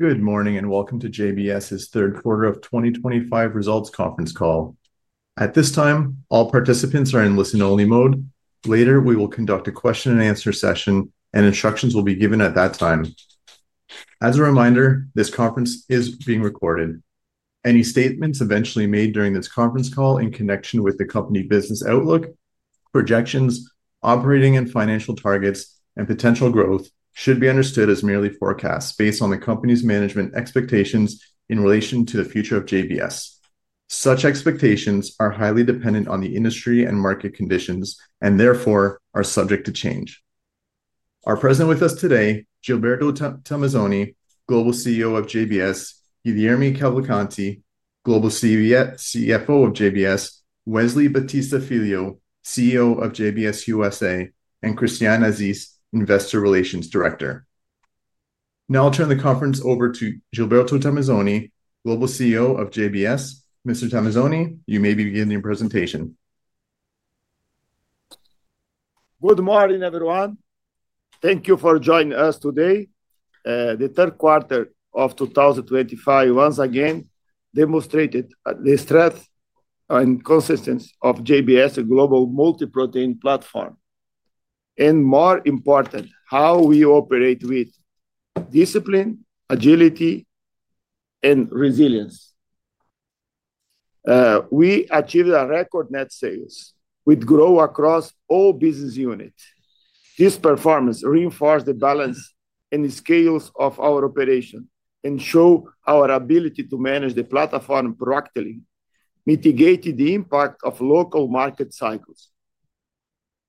Good morning and welcome to JBS's third quarter of 2025 results conference call. At this time, all participants are in listen-only mode. Later, we will conduct a question-and-answer session, and instructions will be given at that time. As a reminder, this conference is being recorded. Any statements eventually made during this conference call in connection with the company business outlook, projections, operating and financial targets, and potential growth should be understood as merely forecasts based on the company's management expectations in relation to the future of JBS. Such expectations are highly dependent on the industry and market conditions and therefore are subject to change. Our present with us today: Gilberto Tomazoni, Global CEO of JBS; Guilherme Cavalcanti, Global CFO of JBS; Wesley Batista Filho, CEO of JBS USA; and Christiane Assis, Investor Relations Director. Now I'll turn the conference over to Gilberto Tomazoni, Global CEO of JBS. Mr. Tomazoni, you may begin your presentation. Good morning, everyone. Thank you for joining us today. The third quarter of 2025 once again demonstrated the strength and consistency of JBS, a global multi-protein platform, and more important, how we operate with discipline, agility, and resilience. We achieved a record net sales with growth across all business units. This performance reinforced the balance and scales of our operation and showed our ability to manage the platform proactively, mitigating the impact of local market cycles.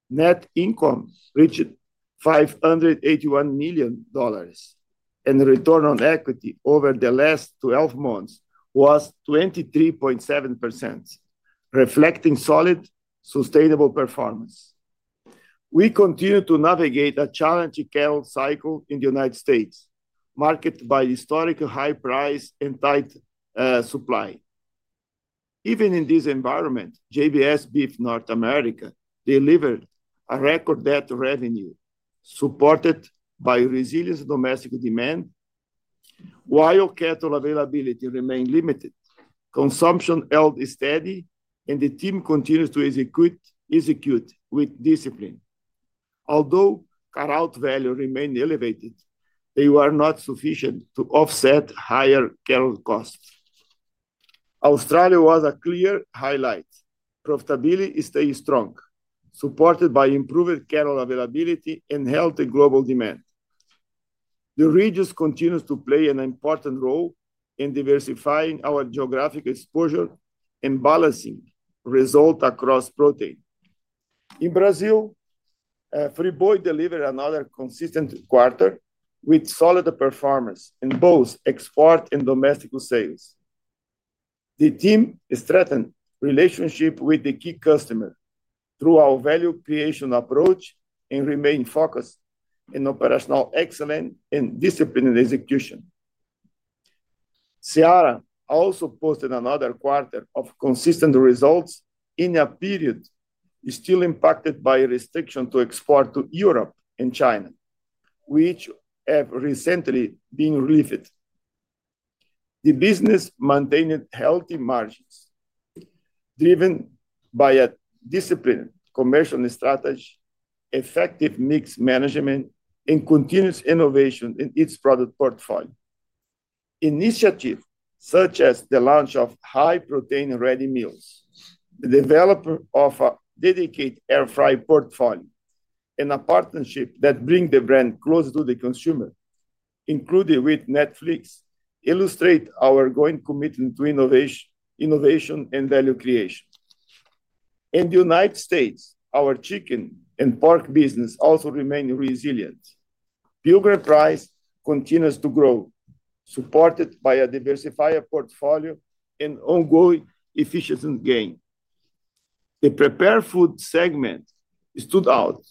Net income reached $581 million, and the return on equity over the last 12 months was 23.7%, reflecting solid, sustainable performance. We continue to navigate a challenging current cycle in the U.S., marked by historically high prices and tight supply. Even in this environment, JBS Beef North America delivered a record net revenue supported by resilient domestic demand. While cattle availability remained limited, consumption held steady, and the team continues to execute with discipline. Although cut-out value remained elevated, they were not sufficient to offset higher cattle costs. Australia was a clear highlight. Profitability stayed strong, supported by improved cattle availability and healthy global demand. The region continues to play an important role in diversifying our geographic exposure and balancing results across protein. In Brazil, Friboi delivered another consistent quarter with solid performance in both export and domestic sales. The team strengthened relationships with the key customers through our value creation approach and remained focused on operational excellence and disciplined execution. SEARA also posted another quarter of consistent results in a period still impacted by restrictions to export to Europe and China, which have recently been relieved. The business maintained healthy margins, driven by a disciplined commercial strategy, effective mix management, and continuous innovation in its product portfolio. Initiatives such as the launch of high-protein ready meals, the development of a dedicated air fryer portfolio, and a partnership that brings the brand closer to the consumer, including with Netflix, illustrate our growing commitment to innovation and value creation. In the United States, our chicken and pork business also remained resilient. Pilgrim's Pride continues to grow, supported by a diversified portfolio and ongoing efficiency gains. The prepared food segment stood out,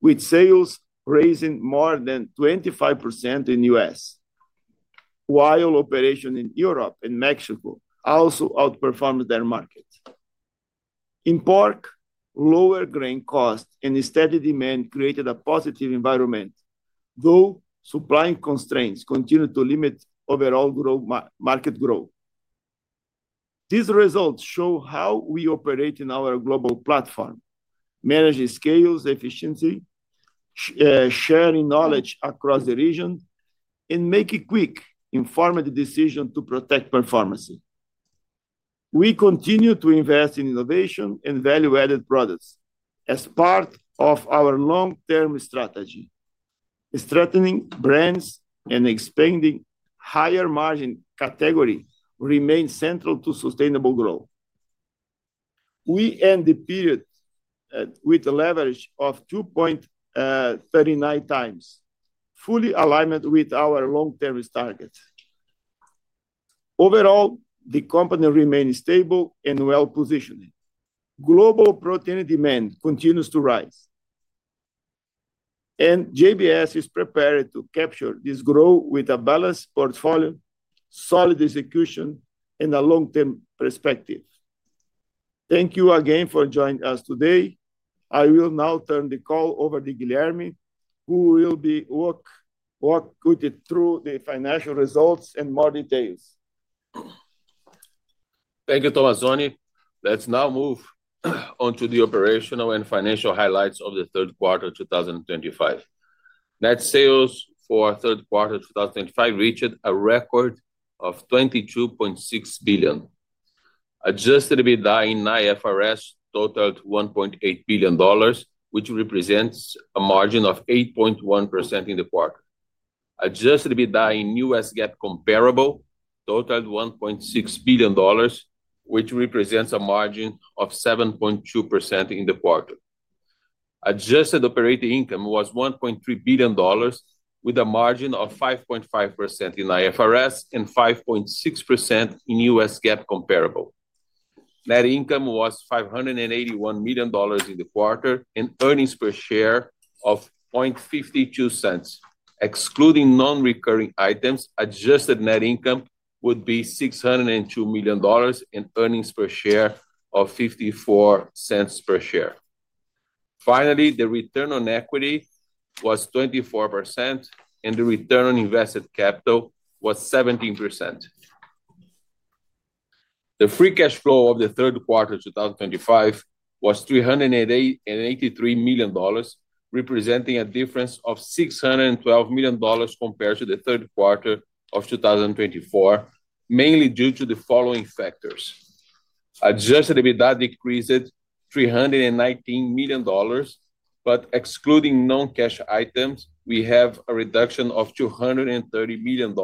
with sales rising more than 25% in the U.S., while operations in Europe and Mexico also outperformed their market. In pork, lower grain costs and steady demand created a positive environment, though supply constraints continued to limit overall market growth. These results show how we operate in our global platform, manage scale efficiency, share knowledge across the region, and make quick, informed decisions to protect performance. We continue to invest in innovation and value-added products as part of our long-term strategy. Strengthening brands and expanding higher margin categories remain central to sustainable growth. We end the period with a leverage of 2.39x, fully aligned with our long-term targets. Overall, the company remains stable and well-positioned. Global protein demand continues to rise, and JBS is prepared to capture this growth with a balanced portfolio, solid execution, and a long-term perspective. Thank you again for joining us today. I will now turn the call over to Guilherme, who will be walking through the financial results and more details. Thank you, Tomazoni. Let's now move on to the operational and financial highlights of the third quarter of 2025. Net sales for third quarter of 2025 reached a record of $22.6 billion. Adjusted EBITDA in IFRS totaled $1.8 billion, which represents a margin of 8.1% in the quarter. Adjusted EBITDA in U.S. GAAP comparable totaled $1.6 billion, which represents a margin of 7.2% in the quarter. Adjusted operating income was $1.3 billion, with a margin of 5.5% in IFRS and 5.6% in U.S. GAAP comparable. Net income was $581 million in the quarter and earnings per share of $0.52. Excluding non-recurring items, adjusted net income would be $602 million and earnings per share of $0.54 per share. Finally, the return on equity was 24%, and the return on invested capital was 17%. The free cash flow of the third quarter of 2025 was $383 million, representing a difference of $612 million compared to the third quarter of 2024, mainly due to the following factors. Adjusted EBITDA decreased $319 million, but excluding non-cash items, we have a reduction of $230 million,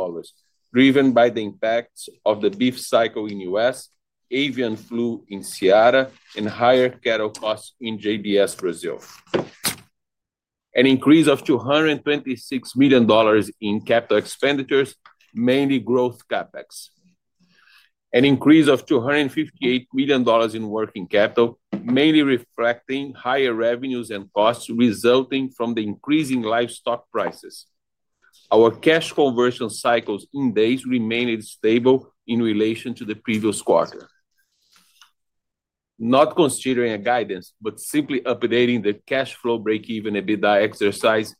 driven by the impacts of the beef cycle in the U.S., avian flu in SEARA, and higher cattle costs in JBS Brazil. An increase of $226 million in capital expenditures, mainly growth CapEx. An increase of $258 million in working capital, mainly reflecting higher revenues and costs resulting from the increasing livestock prices. Our cash conversion cycles in days remained stable in relation to the previous quarter. Not considering a guidance, but simply updating the cash flow break-even EBITDA exercise,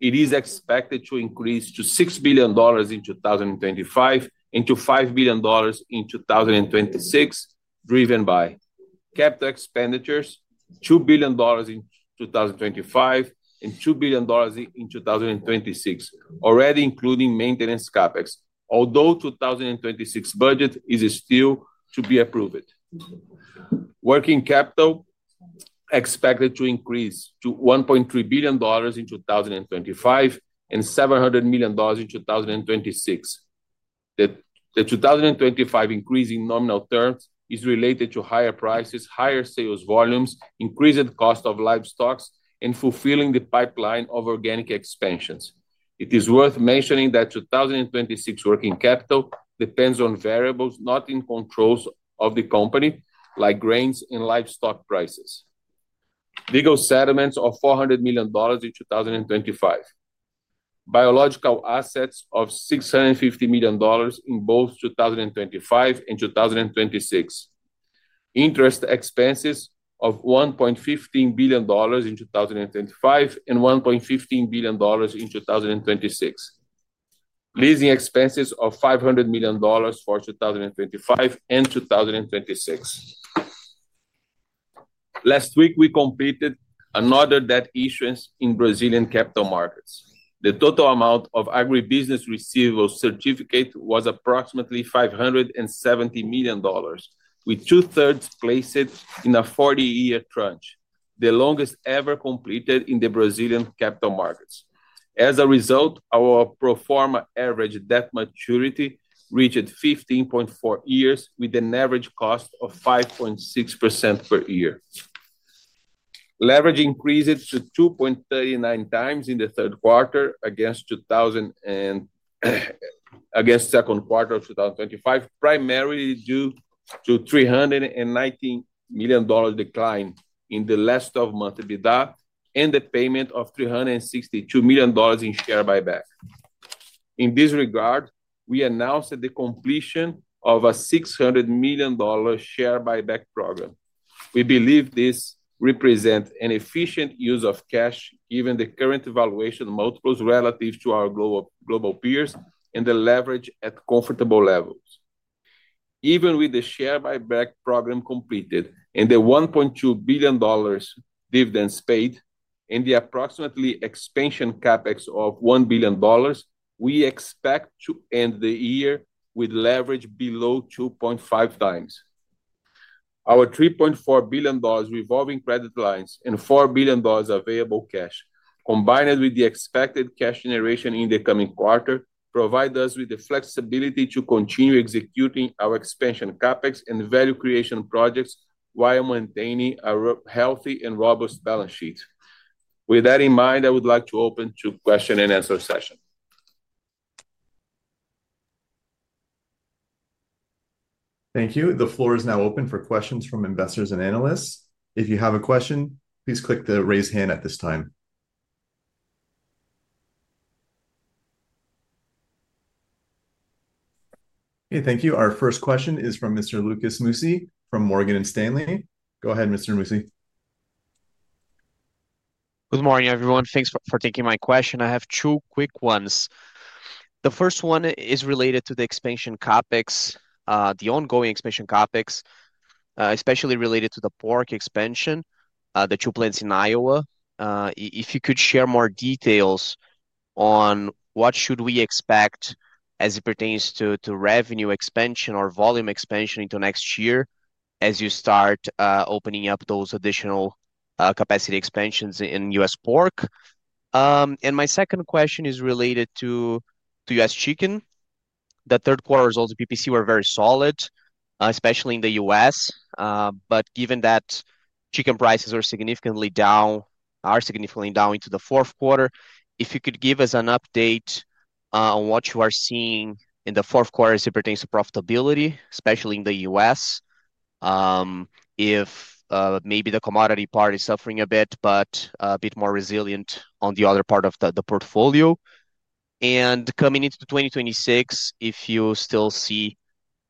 it is expected to increase to $6 billion in 2025 and to $5 billion in 2026, driven by capital expenditures, $2 billion in 2025, and $2 billion in 2026, already including maintenance CapEx, although the 2026 budget is still to be approved. Working capital expected to increase to $1.3 billion in 2025 and $700 million in 2026. The 2025 increase in nominal terms is related to higher prices, higher sales volumes, increased cost of livestock, and fulfilling the pipeline of organic expansions. It is worth mentioning that 2026 working capital depends on variables not in control of the company, like grains and livestock prices. Legal settlements of $400 million in 2025. Biological assets of $650 million in both 2025 and 2026. Interest expenses of $1.15 billion in 2025 and $1.15 billion in 2026. Leasing expenses of $500 million for 2025 and 2026. Last week, we completed another debt issuance in Brazilian capital markets. The total amount of agribusiness receivables certificate was approximately $570 million, with two-thirds placed in a 40-year tranche, the longest ever completed in the Brazilian capital markets. As a result, our proforma average debt maturity reached 15.4 years, with an average cost of 5.6% per year. Leverage increased to 2.39x in the third quarter against the second quarter of 2025, primarily due to a $319 million decline in the last month of EBITDA and the payment of $362 million in share buyback. In this regard, we announced the completion of a $600 million share buyback program. We believe this represents an efficient use of cash, given the current valuation multiples relative to our global peers, and the leverage at comfortable levels. Even with the share buyback program completed and the $1.2 billion dividends paid and the approximately expansion CapEx of $1 billion, we expect to end the year with leverage below 2.5x. Our $3.4 billion revolving credit lines and $4 billion available cash, combined with the expected cash generation in the coming quarter, provide us with the flexibility to continue executing our expansion CapEx and value creation projects while maintaining a healthy and robust balance sheet. With that in mind, I would like to open the question and answer session. Thank you. The floor is now open for questions from investors and analysts. If you have a question, please click the raise hand at this time. Okay, thank you. Our first question is from Mr. Lucas Mussi from Morgan Stanley. Go ahead, Mr. Mussi. Good morning, everyone. Thanks for taking my question. I have two quick ones. The first one is related to the expansion CapEx, the ongoing expansion CapEx, especially related to the pork expansion, the two plants in Iowa. If you could share more details on what should we expect as it pertains to revenue expansion or volume expansion into next year as you start opening up those additional capacity expansions in U.S. pork. My second question is related to U.S. chicken. The third quarter results, the PPC, were very solid, especially in the U.S., but given that chicken prices are significantly down, are significantly down into the fourth quarter, if you could give us an update on what you are seeing in the fourth quarter as it pertains to profitability, especially in the U.S., if maybe the commodity part is suffering a bit, but a bit more resilient on the other part of the portfolio. Coming into 2026, if you still see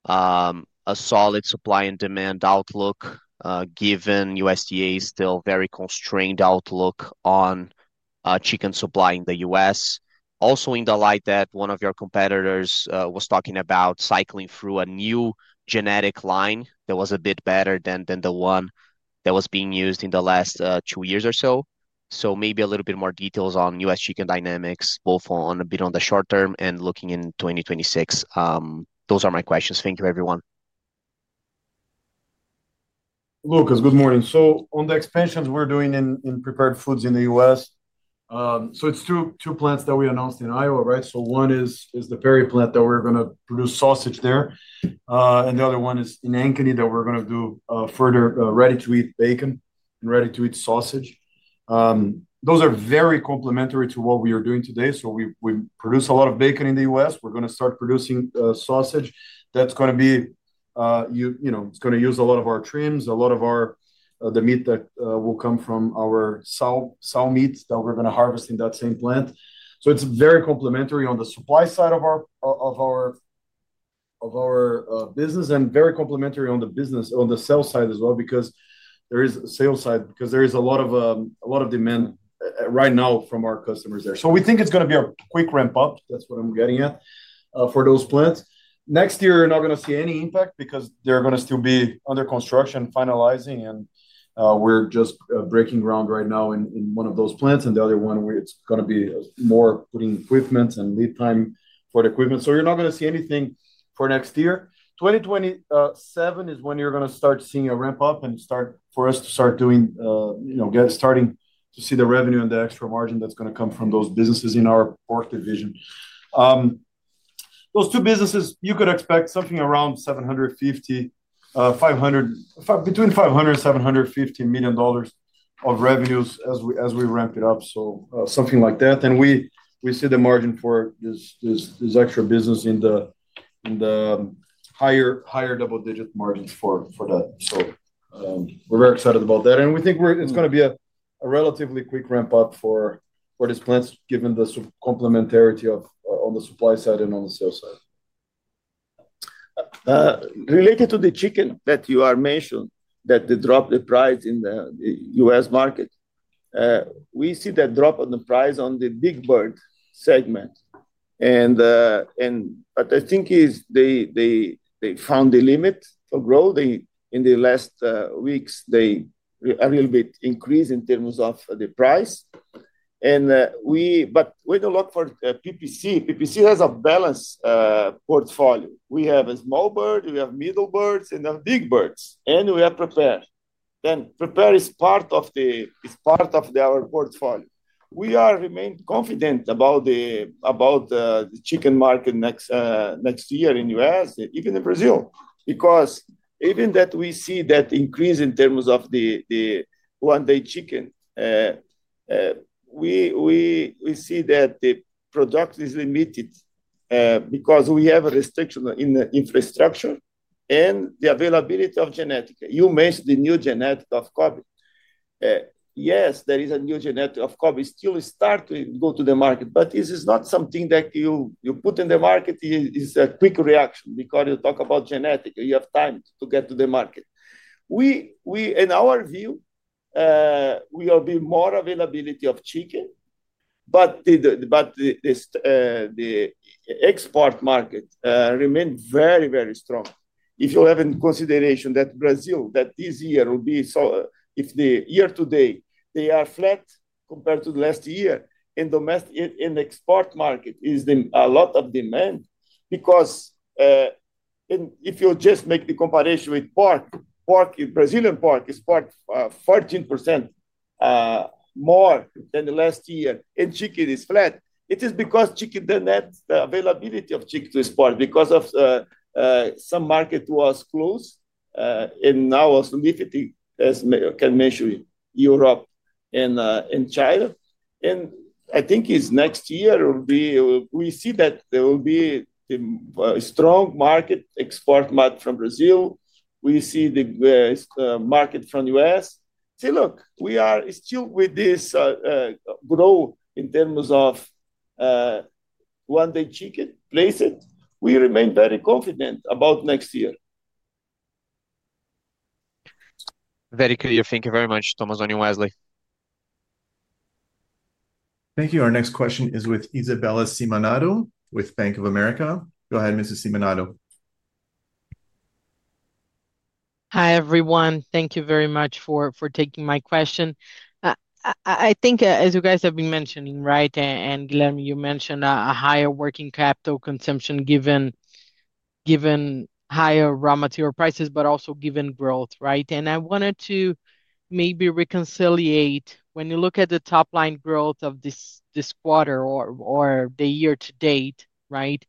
a solid supply and demand outlook, given USDA's still very constrained outlook on chicken supply in the U.S., also in the light that one of your competitors was talking about cycling through a new genetic line that was a bit better than the one that was being used in the last two years or so. Maybe a little bit more details on U.S. chicken dynamics, both a bit on the short term and looking in 2026. Those are my questions. Thank you, everyone. Lucas, good morning. On the expansions we are doing in prepared foods in the U.S., it is two plants that we announced in Iowa, right? One is the Perry plant where we are going to produce sausage, and the other one is in Ankeny where we are going to do further ready-to-eat bacon and ready-to-eat sausage. Those are very complementary to what we are doing today. We produce a lot of bacon in the U.S. We are going to start producing sausage that is going to be, you know, it is going to use a lot of our trims, a lot of the meat that will come from our sow meat that we are going to harvest in that same plant. It's very complementary on the supply side of our business and very complementary on the business, on the sell side as well, because there is a lot of demand right now from our customers there. We think it's going to be a quick ramp-up, that's what I'm getting at, for those plants. Next year, you're not going to see any impact because they're going to still be under construction, finalizing, and we're just breaking ground right now in one of those plants, and the other one, it's going to be more putting equipment and lead time for the equipment. You're not going to see anything for next year. 2027 is when you're going to start seeing a ramp-up and start for us to start doing, you know, starting to see the revenue and the extra margin that's going to come from those businesses in our pork division. Those two businesses, you could expect something around $500 million-$750 million of revenues as we ramp it up, so something like that. We see the margin for this extra business in the higher double-digit margins for that. We are very excited about that, and we think it's going to be a relatively quick ramp-up for these plants, given the complementarity on the supply side and on the sale side. Related to the chicken that you are mentioning, that the drop in the price in the U.S. market, we see that drop in the price on the big bird segment. What I think is they found a limit for growth. In the last weeks, they a little bit increased in terms of the price. When you look for PPC, PPC has a balanced portfolio. We have small birds, we have middle birds, and we have big birds, and we have prepared. Prepared is part of our portfolio. We remain confident about the chicken market next year in the U.S., even in Brazil, because even that we see that increase in terms of the one-day chicken, we see that the product is limited because we have a restriction in the infrastructure and the availability of genetics. You mentioned the new genetics of COVID. Yes, there is a new genetic of COVID. It still starts to go to the market, but it is not something that you put in the market. It's a quick reaction because you talk about genetics. You have time to get to the market. In our view, we will be more availability of chicken, but the export market remains very, very strong. If you have in consideration that Brazil, that this year will be, so if the year today, they are flat compared to the last year, and export market is a lot of demand because if you just make the comparison with pork, pork, Brazilian pork is 14% more than the last year, and chicken is flat. It is because chicken, the availability of chicken to export because of some market was closed, and now also limited, as you can mention, Europe and China. I think next year will be, we see that there will be a strong market export from Brazil. We see the market from the U.S. See, look, we are still with this growth in terms of one-day chicken, place it. We remain very confident about next year. Very clear. Thank you very much, Tomazoni, Wesley. Thank you. Our next question is with Isabella Simonato with Bank of America. Go ahead, Mrs. Cimanado. Hi, everyone. Thank you very much for taking my question. I think, as you guys have been mentioning, right, and Guilherme, you mentioned a higher working capital consumption given higher raw material prices, but also given growth, right? I wanted to maybe reconciliate when you look at the top-line growth of this quarter or the year to date, right,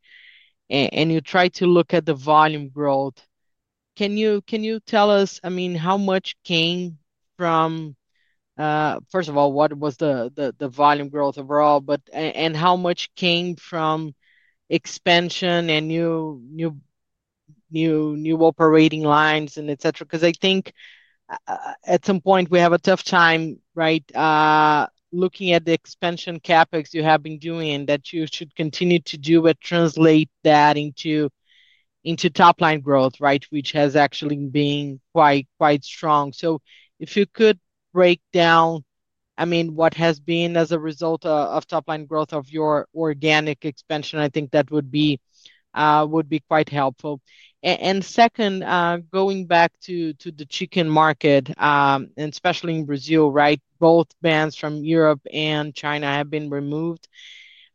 and you try to look at the volume growth, can you tell us, I mean, how much came from, first of all, what was the volume growth overall, and how much came from expansion and new operating lines and etc.? Because I think at some point we have a tough time, right, looking at the expansion CapEx you have been doing and that you should continue to do it, translate that into top-line growth, right, which has actually been quite strong. If you could break down, I mean, what has been as a result of top-line growth of your organic expansion, I think that would be quite helpful. Second, going back to the chicken market, and especially in Brazil, right, both bans from Europe and China have been removed.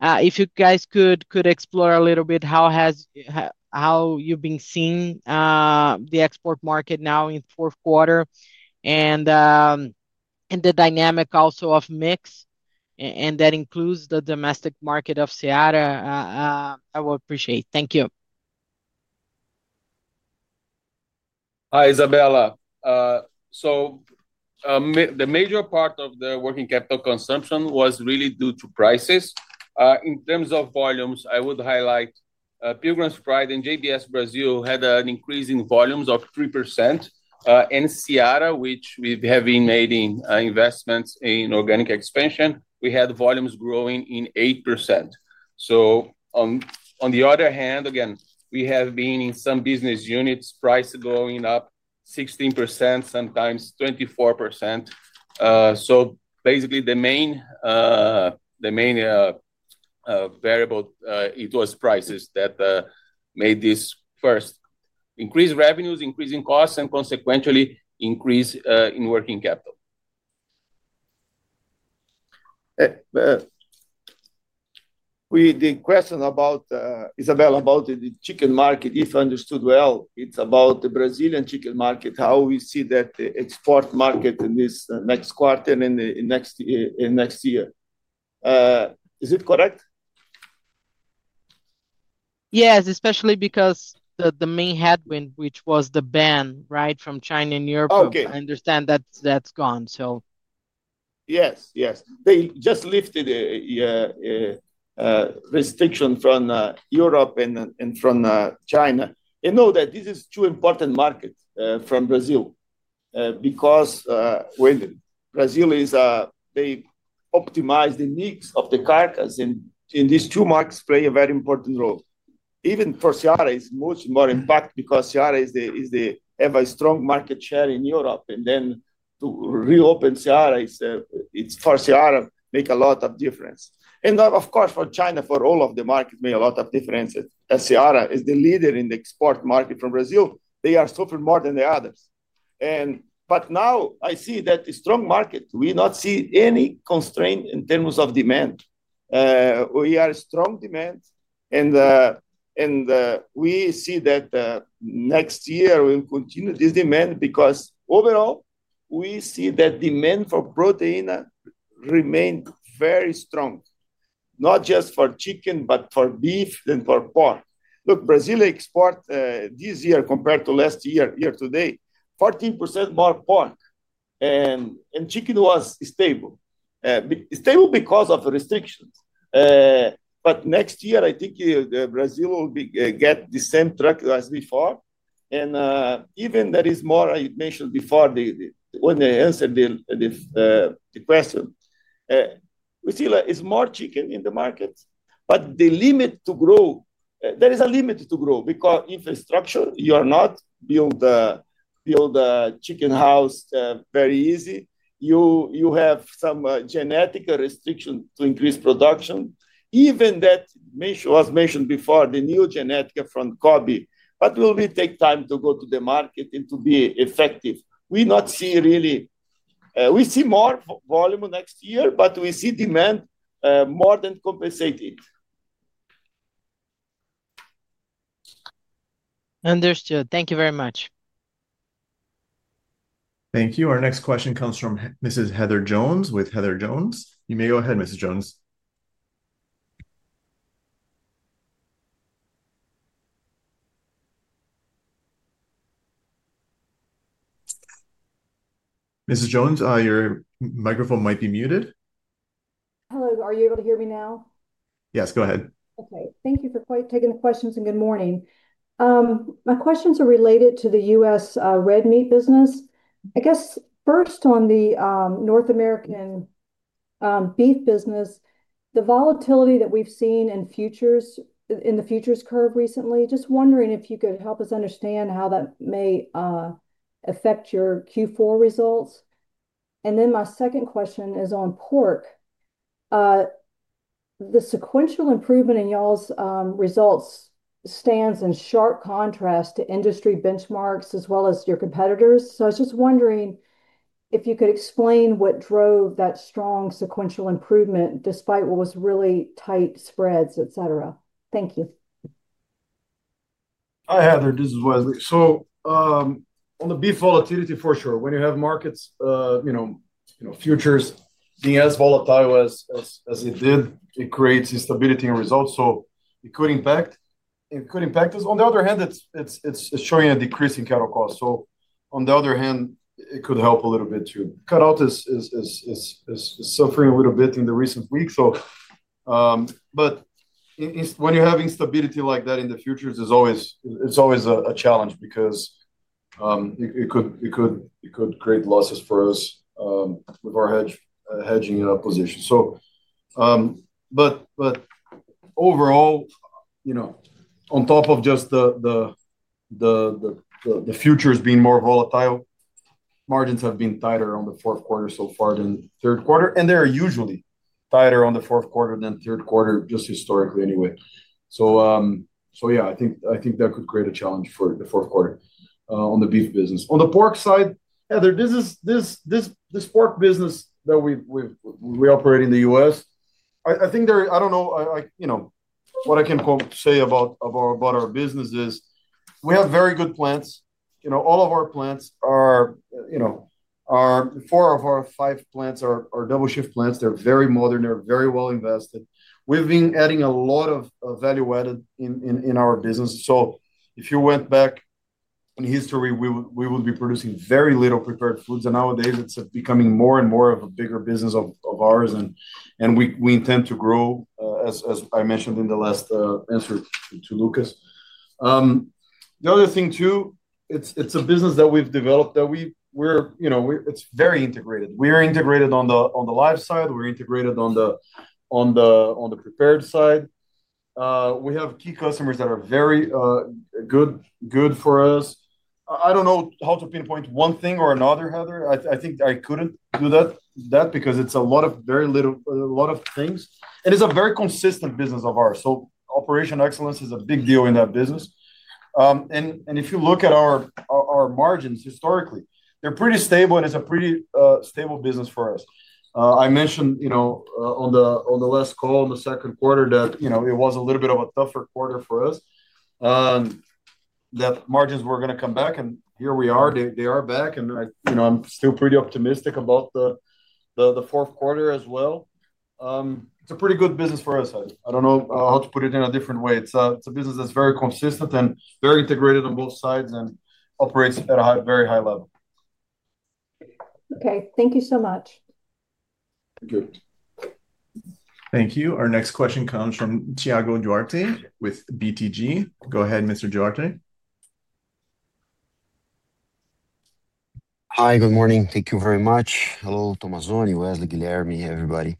If you guys could explore a little bit how you've been seeing the export market now in the fourth quarter and the dynamic also of mix, and that includes the domestic market of SEARA, I would appreciate. Thank you. Hi, Isabella. The major part of the working capital consumption was really due to prices. In terms of volumes, I would highlight Pilgrim's Pride and JBS Brazil had an increase in volumes of 3%, and SEARA, which we have been making investments in organic expansion, we had volumes growing in 8%. On the other hand, again, we have been in some business units price going up 16%, sometimes 24%. Basically, the main variable, it was prices that made this first increase revenues, increasing costs, and consequently increase in working capital. The question about, Isabella, about the chicken market, if I understood well, it's about the Brazilian chicken market, how we see that export market in this next quarter and next year. Is it correct? Yes, especially because the main headwind, which was the ban, right, from China and Europe, I understand that's gone. Yes, yes. They just lifted the restriction from Europe and from China. And know that this is a two-important market from Brazil because Brazil is they optimize the mix of the carcass, and these two markets play a very important role. Even for SEARA, it is much more impact because SEARA has a strong market share in Europe, and then to reopen SEARA for SEARA makes a lot of difference. And of course, for China, for all of the markets, it made a lot of difference. SEARA is the leader in the export market from Brazil. They are suffering more than the others. But now I see that the strong market, we do not see any constraint in terms of demand. We are strong demand, and we see that next year we will continue this demand because overall, we see that demand for protein remained very strong, not just for chicken, but for beef and for pork. Look, Brazil export this year compared to last year, year to date, 14% more pork, and chicken was stable. Stable because of restrictions. Next year, I think Brazil will get the same track as before. Even there is more, I mentioned before when I answered the question, we see there is more chicken in the market, but the limit to grow, there is a limit to grow because infrastructure, you are not building the chicken house very easy. You have some genetic restriction to increase production. Even that was mentioned before, the new genetic from COVID, but it will take time to go to the market and to be effective. We do not see, really, we see more volume next year, but we see demand more than compensated. Understood. Thank you very much. Thank you. Our next question comes from Mrs. Heather Jones with Heather Jones. You may go ahead, Mrs. Jones. Mrs. Jones, your microphone might be muted. Hello. Are you able to hear me now? Yes, go ahead. Okay. Thank you for taking the questions and good morning. My questions are related to the U.S. red meat business. I guess first on the North American beef business, the volatility that we've seen in futures in the futures curve recently, just wondering if you could help us understand how that may affect your Q4 results. My second question is on pork. The sequential improvement in y'all's results stands in sharp contrast to industry benchmarks as well as your competitors. I was just wondering if you could explain what drove that strong sequential improvement despite what was really tight spreads, etc. Thank you. Hi, Heather. This is Wesley. On the beef volatility, for sure, when you have markets, you know, futures being as volatile as it did, it creates instability in results. It could impact. On the other hand, it is showing a decrease in cattle costs. On the other hand, it could help a little bit too. Cut out is suffering a little bit in the recent weeks. When you have instability like that in the futures, it is always a challenge because it could create losses for us with our hedging position. Overall, you know, on top of just the futures being more volatile, margins have been tighter on the fourth quarter so far than third quarter. They are usually tighter on the fourth quarter than third quarter, just historically anyway. Yeah, I think that could create a challenge for the fourth quarter on the beef business. On the pork side, Heather, this pork business that we operate in the U.S., I think there, I don't know, you know, what I can say about our business is we have very good plants. You know, all of our plants are, you know, four of our five plants are double-shift plants. They're very modern. They're very well invested. We've been adding a lot of value added in our business. If you went back in history, we would be producing very little prepared foods. Nowadays, it's becoming more and more of a bigger business of ours. We intend to grow, as I mentioned in the last answer to Lucas. The other thing too, it's a business that we've developed that we're, you know, it's very integrated. We are integrated on the live side. We're integrated on the prepared side. We have key customers that are very good for us. I don't know how to pinpoint one thing or another, Heather. I think I couldn't do that because it's a lot of very little, a lot of things. And it's a very consistent business of ours. Operation excellence is a big deal in that business. If you look at our margins historically, they're pretty stable, and it's a pretty stable business for us. I mentioned, you know, on the last call in the second quarter that, you know, it was a little bit of a tougher quarter for us, that margins were going to come back, and here we are. They are back. I'm still pretty optimistic about the fourth quarter as well. It's a pretty good business for us, Heather. I don't know how to put it in a different way. It's a business that's very consistent and very integrated on both sides and operates at a very high level. Okay. Thank you so much. Thank you. Thank you. Our next question comes from Thiago Duarte with BTG. Go ahead, Mr. Duarte. Hi, good morning. Thank you very much. Hello, Tomazoni, Wesley, Guilherme, everybody.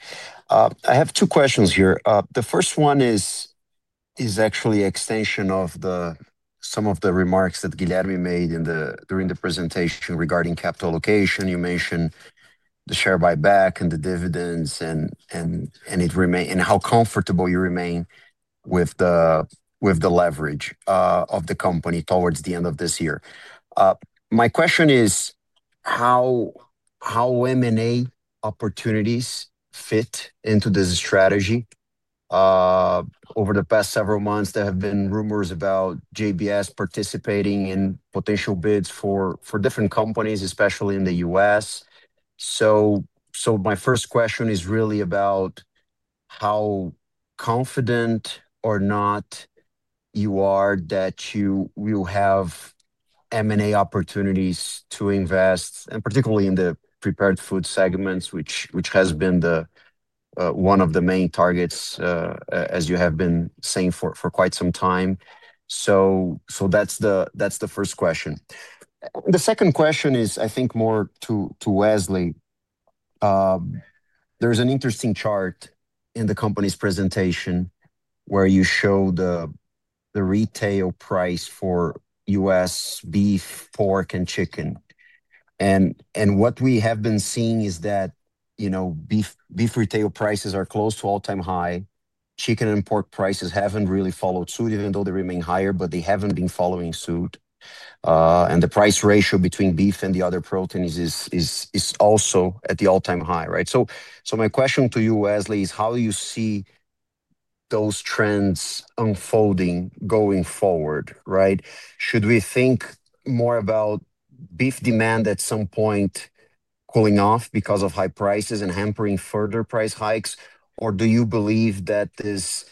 I have two questions here. The first one is actually an extension of some of the remarks that Guilherme made during the presentation regarding capital allocation. You mentioned the share buyback and the dividends and how comfortable you remain with the leverage of the company towards the end of this year. My question is, how M&A opportunities fit into this strategy? Over the past several months, there have been rumors about JBS participating in potential bids for different companies, especially in the U.S. My first question is really about how confident or not you are that you will have M&A opportunities to invest, and particularly in the prepared food segments, which has been one of the main targets, as you have been saying for quite some time. That is the first question. The second question is, I think, more to Wesley. There's an interesting chart in the company's presentation where you show the retail price for U.S. beef, pork, and chicken. And what we have been seeing is that, you know, beef retail prices are close to all-time high. Chicken and pork prices haven't really followed suit, even though they remain higher, but they haven't been following suit. And the price ratio between beef and the other proteins is also at the all-time high, right? So my question to you, Wesley, is how do you see those trends unfolding going forward, right? Should we think more about beef demand at some point cooling off because of high prices and hampering further price hikes, or do you believe that these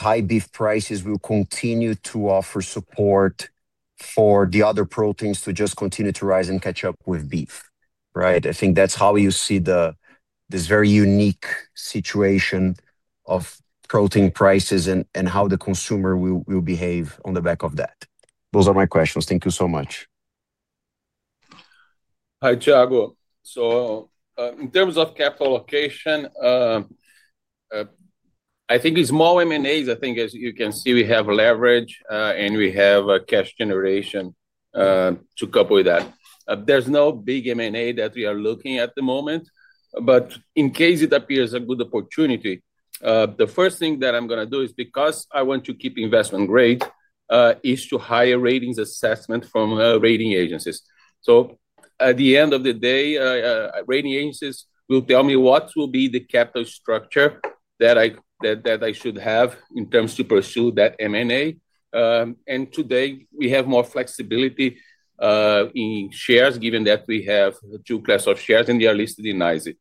high beef prices will continue to offer support for the other proteins to just continue to rise and catch up with beef, right? I think that's how you see this very unique situation of protein prices and how the consumer will behave on the back of that. Those are my questions. Thank you so much. Hi, Thiago. In terms of capital allocation, I think small M&As, I think, as you can see, we have leverage, and we have cash generation to couple with that. There is no big M&A that we are looking at the moment. In case it appears a good opportunity, the first thing that I am going to do is, because I want to keep investment grade, is to hire ratings assessment from rating agencies. At the end of the day, rating agencies will tell me what will be the capital structure that I should have in terms to pursue that M&A. Today, we have more flexibility in shares, given that we have two classes of shares, and they are listed in ISIC.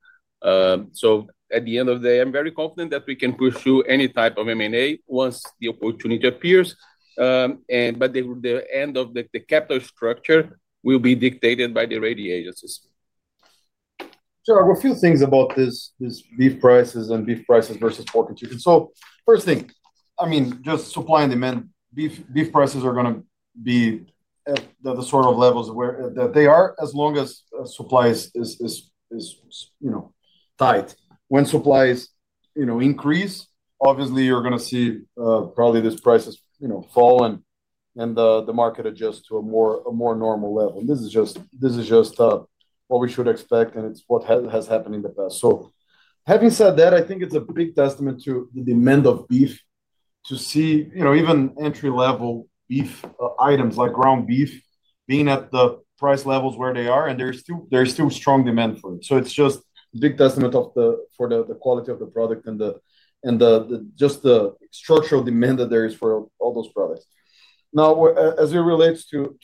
At the end of the day, I am very confident that we can pursue any type of M&A once the opportunity appears. The end of the capital structure will be dictated by the rating agencies. Tiago, a few things about these beef prices and beef prices versus pork and chicken. First thing, I mean, just supply and demand, beef prices are going to be at the sort of levels where they are as long as supply is, you know, tight. When supplies, you know, increase, obviously, you're going to see probably these prices, you know, fall, and the market adjusts to a more normal level. This is just what we should expect, and it is what has happened in the past. Having said that, I think it is a big testament to the demand of beef to see, you know, even entry-level beef items like ground beef being at the price levels where they are, and there is still strong demand for it. It's just a big testament for the quality of the product and just the structural demand that there is for all those products. Now, as it relates to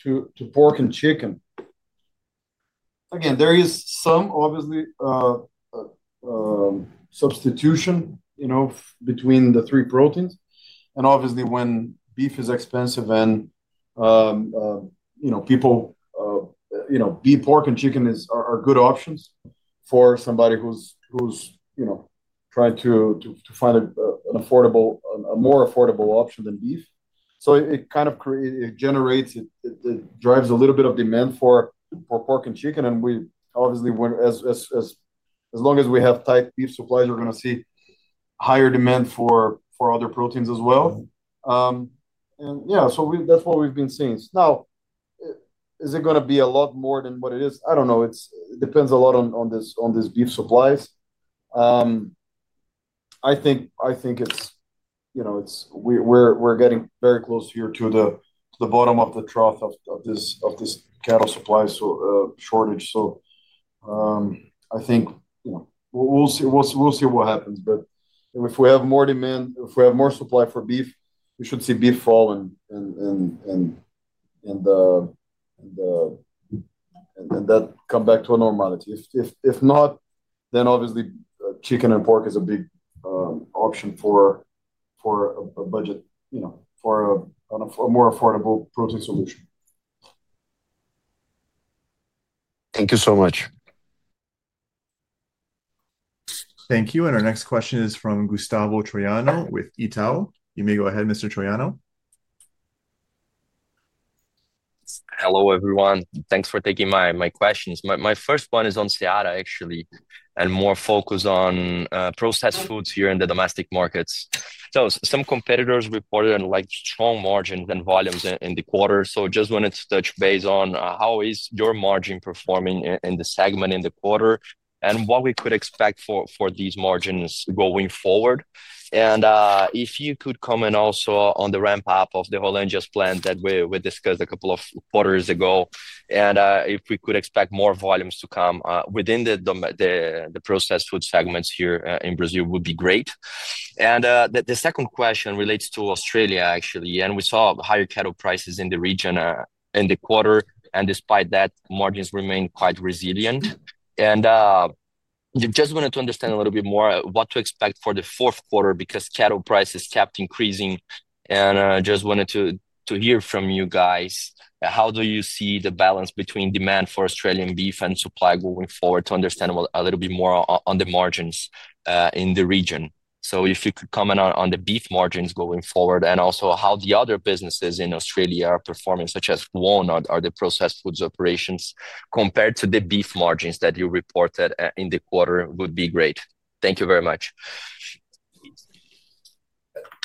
pork and chicken, again, there is some, obviously, substitution, you know, between the three proteins. And obviously, when beef is expensive and, you know, people, you know, beef, pork, and chicken are good options for somebody who's, you know, trying to find an affordable, a more affordable option than beef. It kind of generates, it drives a little bit of demand for pork and chicken. And we, obviously, as long as we have tight beef supplies, we're going to see higher demand for other proteins as well. Yeah, that's what we've been seeing. Now, is it going to be a lot more than what it is? I don't know. It depends a lot on these beef supplies. I think it's, you know, we're getting very close here to the bottom of the trough of this cattle supply shortage. I think, you know, we'll see what happens. If we have more demand, if we have more supply for beef, we should see beef fall and that come back to a normality. If not, then obviously, chicken and pork is a big option for a budget, you know, for a more affordable protein solution. Thank you so much. Thank you. Our next question is from Gustavo Troyano with Itaú. You may go ahead, Mr. Troyano. Hello, everyone. Thanks for taking my questions. My first one is on SEARA, actually, and more focused on processed foods here in the domestic markets. Some competitors reported strong margins and volumes in the quarter. I just wanted to touch base on how is your margin performing in the segment in the quarter and what we could expect for these margins going forward. If you could comment also on the ramp-up of the Hollandaise plant that we discussed a couple of quarters ago, and if we could expect more volumes to come within the processed food segments here in Brazil would be great. The second question relates to Australia, actually. We saw higher cattle prices in the region in the quarter, and despite that, margins remain quite resilient. I just wanted to understand a little bit more what to expect for the fourth quarter because cattle prices kept increasing. I just wanted to hear from you guys. How do you see the balance between demand for Australian beef and supply going forward to understand a little bit more on the margins in the region? If you could comment on the beef margins going forward and also how the other businesses in Australia are performing, such as Walnut or the processed foods operations compared to the beef margins that you reported in the quarter, that would be great. Thank you very much.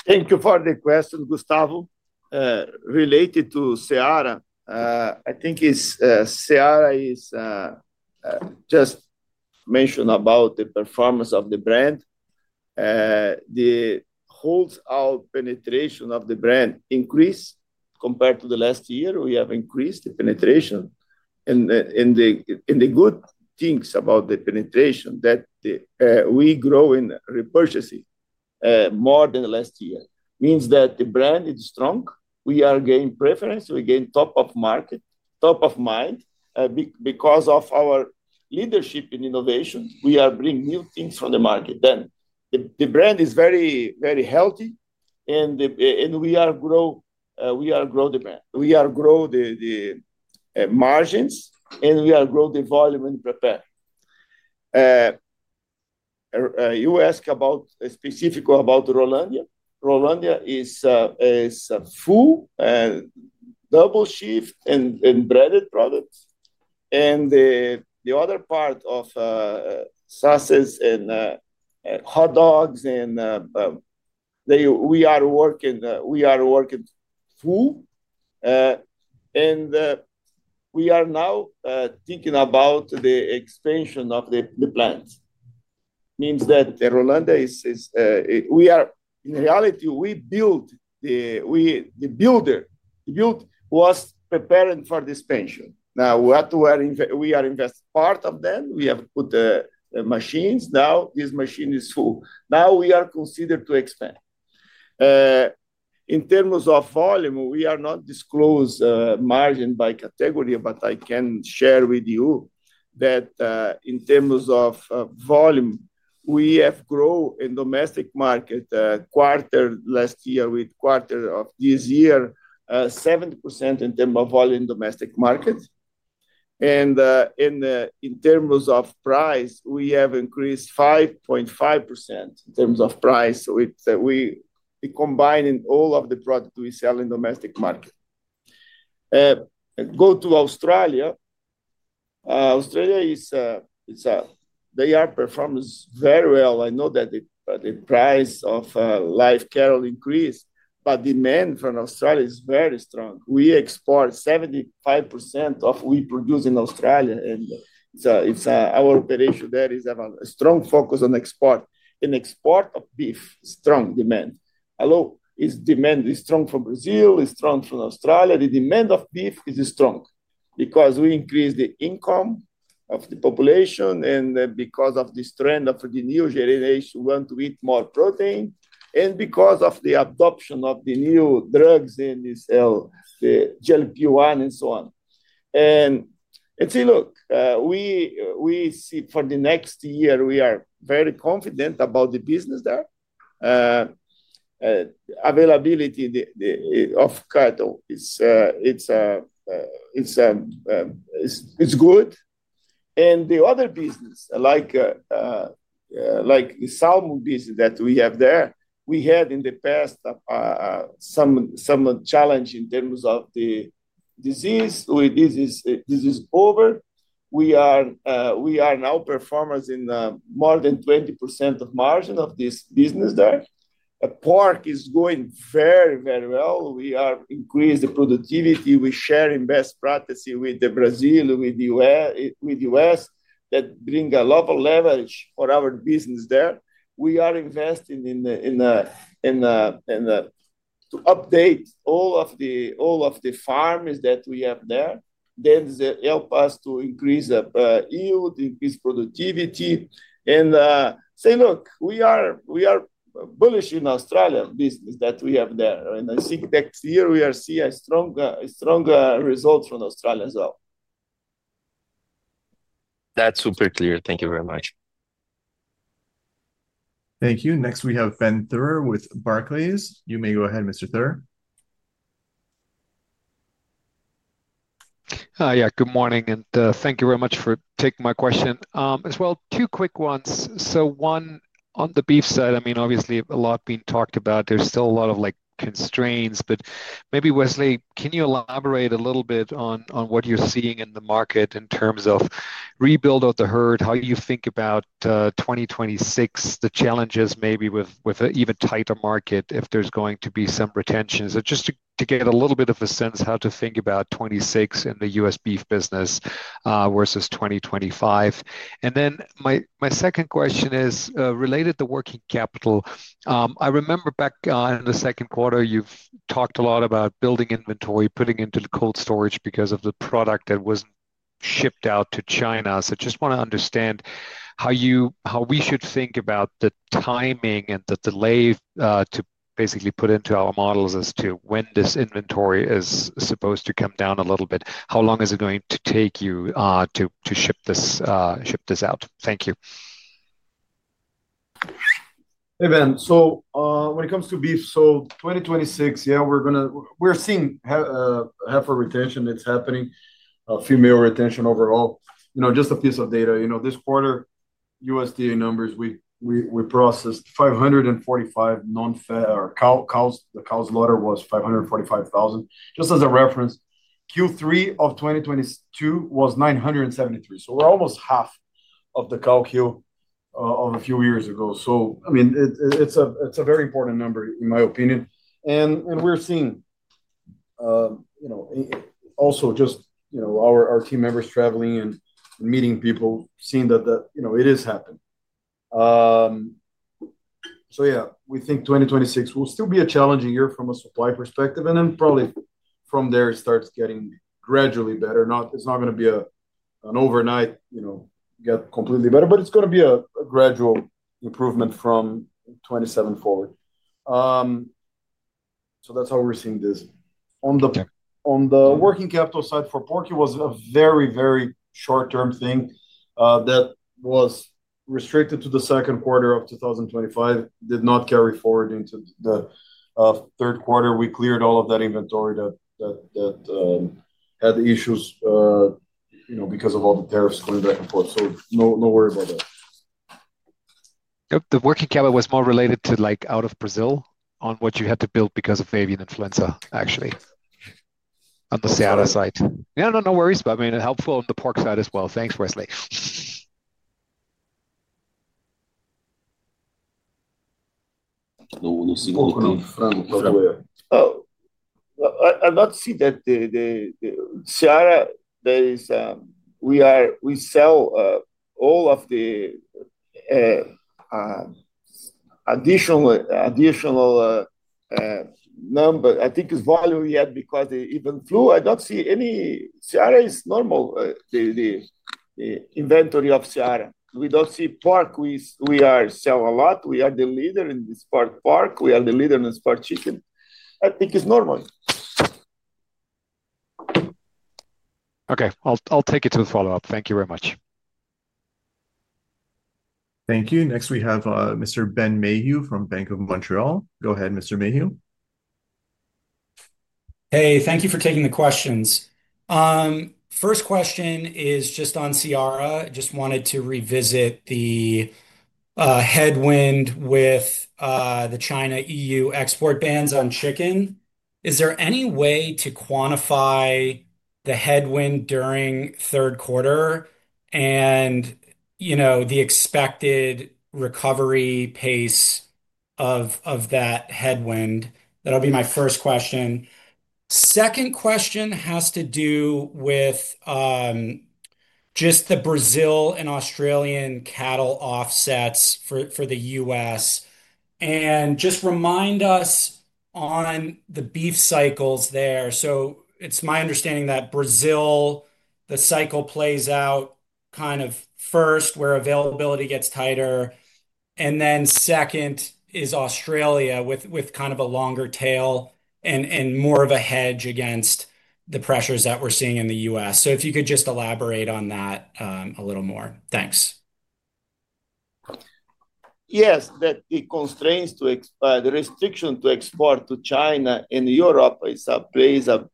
Thank you for the question, Gustavo. Related to SEARA, I think SEARA is just mentioned about the performance of the brand. The hold-out penetration of the brand increased compared to the last year. We have increased the penetration. The good things about the penetration that we grow in repurchasing more than the last year means that the brand is strong. We are gaining preference. We gain top of market, top of mind because of our leadership in innovation. We are bringing new things from the market. The brand is very, very healthy, and we are growing the brand. We are growing the margins, and we are growing the volume and prepare. You ask specifically about the Hollandaise. Hollandaise is a full, double-shift and breaded product. The other part of sauces and hot dogs, and we are working full. We are now thinking about the expansion of the plant. Means that the Hollandaise, we are in reality, we built the builder. The build was prepared for the expansion. Now, we are investing part of them. We have put the machines. Now, this machine is full. Now, we are considered to expand. In terms of volume, we are not disclosed margin by category, but I can share with you that in terms of volume, we have grown in the domestic market quarter last year with quarter of this year, 70% in terms of volume in the domestic market. In terms of price, we have increased 5.5% in terms of price with combining all of the products we sell in the domestic market. Go to Australia. Australia is, they are performing very well. I know that the price of live cattle increased, but demand from Australia is very strong. We export 75% of what we produce in Australia. Our operation there is a strong focus on export. In export of beef, strong demand. Hello? Is demand strong from Brazil? Is strong from Australia? The demand of beef is strong because we increased the income of the population and because of this trend of the new generation want to eat more protein and because of the adoption of the new drugs in the cell, the GLP-1 and so on. Look, we see for the next year, we are very confident about the business there. Availability of cattle is good. The other business, like the salmon business that we have there, we had in the past some challenge in terms of the disease. This is over. We are now performers in more than 20% of margin of this business there. Pork is going very, very well. We are increasing the productivity. We share in best practices with Brazil, with the U.S. that bring a lot of leverage for our business there. We are investing in to update all of the farms that we have there. That helps us to increase yield, increase productivity. I say, look, we are bullish in the Australian business that we have there. I think next year, we are seeing strong results from Australia as well. That's super clear. Thank you very much. Thank you. Next, we have Ben Theurer with Barclays. You may go ahead, Mr. Theurer. Hi, yeah, good morning. Thank you very much for taking my question as well. Two quick ones. One on the beef side, I mean, obviously, a lot being talked about. There's still a lot of constraints. Maybe, Wesley, can you elaborate a little bit on what you're seeing in the market in terms of rebuild of the herd, how you think about 2026, the challenges maybe with an even tighter market if there's going to be some retention? Just to get a little bit of a sense how to think about 2026 in the U.S. beef business versus 2025. My second question is related to working capital. I remember back in the second quarter, you've talked a lot about building inventory, putting into the cold storage because of the product that wasn't shipped out to China. I just want to understand how we should think about the timing and the delay to basically put into our models as to when this inventory is supposed to come down a little bit. How long is it going to take you to ship this out? Thank you. Hey, Ben. So when it comes to beef, so 2026, yeah, we're seeing heifer retention. It's happening. Female retention overall. You know, just a piece of data. You know, this quarter, USDA numbers, we processed 545,000 non-fed, or the cow's litter was 545,000. Just as a reference, Q3 of 2022 was 973,000. So we're almost half of the cow kill of a few years ago. So, I mean, it's a very important number, in my opinion. And we're seeing, you know, also just, you know, our team members traveling and meeting people, seeing that, you know, it is happening. So, yeah, we think 2026 will still be a challenging year from a supply perspective. And then probably from there, it starts getting gradually better. It's not going to be an overnight, you know, get completely better, but it's going to be a gradual improvement from 2027 forward. That's how we're seeing this. On the working capital side for pork, it was a very, very short-term thing that was restricted to the second quarter of 2025, did not carry forward into the third quarter. We cleared all of that inventory that had issues, you know, because of all the tariffs going back and forth. No worry about that. Yep. The working capital was more related to, like, out of Brazil on what you had to build because of avian influenza, actually, on the SEARA side. Yeah, no, no worries. I mean, helpful on the pork side as well. Thanks, Wesley. I don't see that SEARA is, we sell all of the additional number. I think it's volume yet because avian flu, I don't see any SEARA is normal, the inventory of SEARA. We don't see pork. We sell a lot. We are the leader in this pork part. We are the leader in this pork chicken. I think it's normal. Okay. I'll take it to the follow-up. Thank you very much. Thank you. Next, we have Mr. Ben Mayhew from Bank of Montreal. Go ahead, Mr. Mayhew. Hey, thank you for taking the questions. First question is just on SEARA. Just wanted to revisit the headwind with the China-EU export bans on chicken. Is there any way to quantify the headwind during third quarter and, you know, the expected recovery pace of that headwind? That'll be my first question. Second question has to do with just the Brazil and Australian cattle offsets for the U.S. And just remind us on the beef cycles there. So it's my understanding that Brazil, the cycle plays out kind of first where availability gets tighter. And then second is Australia with kind of a longer tail and more of a hedge against the pressures that we're seeing in the U.S. If you could just elaborate on that a little more. Thanks. Yes, that the constraints to the restriction to export to China and Europe plays a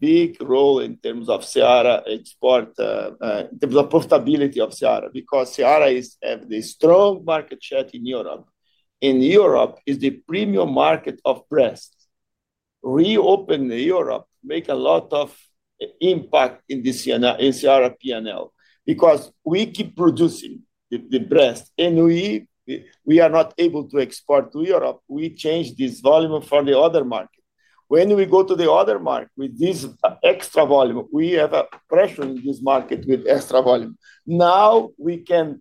big role in terms of SEARA export, in terms of portability of SEARA because SEARA has the strong market share in Europe. Europe is the premium market of breasts. Reopen Europe, make a lot of impact in the SEARA P&L because we keep producing the breast, and we are not able to export to Europe. We change this volume for the other market. When we go to the other market with this extra volume, we have a pressure in this market with extra volume. Now we can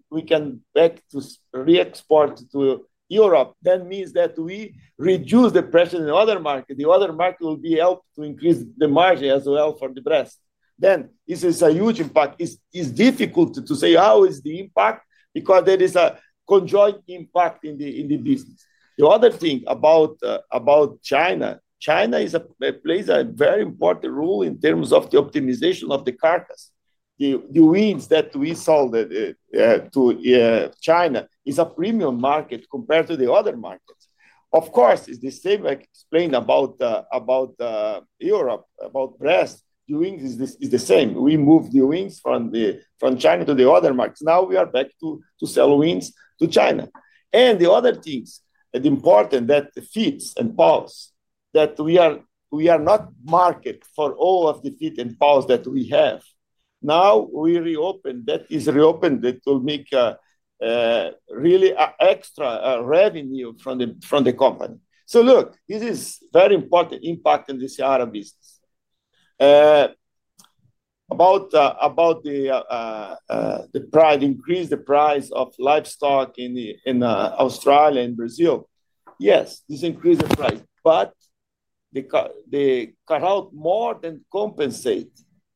back to re-export to Europe. That means that we reduce the pressure in the other market. The other market will be helped to increase the margin as well for the breast. This is a huge impact. It's difficult to say how is the impact because there is a conjoint impact in the business. The other thing about China, China plays a very important role in terms of the optimization of the carcass. The wings that we sold to China is a premium market compared to the other markets. Of course, it's the same I explained about Europe, about breast. The wings is the same. We move the wings from China to the other markets. Now we are back to sell wings to China. The other things that are important that the feet and paws that we are not market for all of the feet and paws that we have. Now we reopen. That is reopened. It will make really extra revenue from the company. Look, this is very important impact in the SEARA business. About the increase in the price of livestock in Australia and Brazil. Yes, this increased the price, but the cattle more than compensate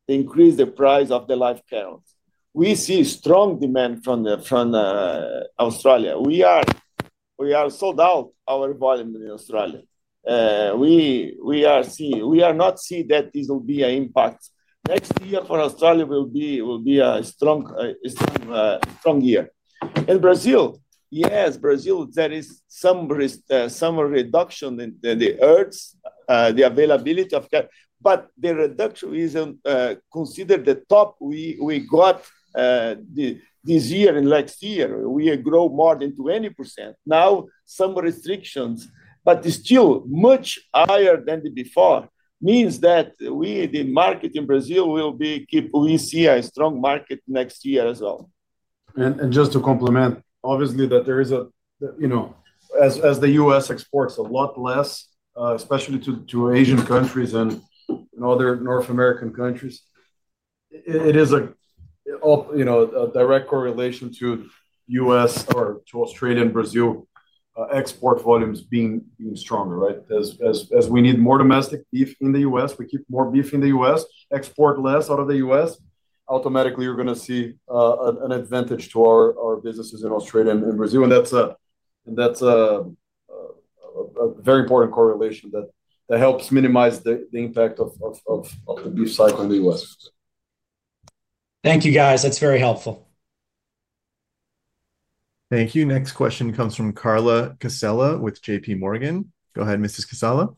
the increase in the price of the live cattle. We see strong demand from Australia. We are sold out our volume in Australia. We are not seeing that this will be an impact. Next year for Australia will be a strong year. In Brazil, yes, Brazil, there is some reduction in the herds, the availability of cattle. The reduction is considered the top we got this year and last year. We grew more than 20%. Now, some restrictions, but still much higher than before. Means that the market in Brazil will be keep, we see a strong market next year as well. Just to complement, obviously that there is a, you know, as the U.S. exports a lot less, especially to Asian countries and other North American countries, it is a direct correlation to U.S. or to Australia and Brazil export volumes being stronger, right? As we need more domestic beef in the U.S., we keep more beef in the U.S., export less out of the U.S., automatically you're going to see an advantage to our businesses in Australia and Brazil. That is a very important correlation that helps minimize the impact of the beef cycle in the U.S. Thank you, guys. That's very helpful. Thank you. Next question comes from Carla Casella with JPMorgan. Go ahead, Mrs. Casella.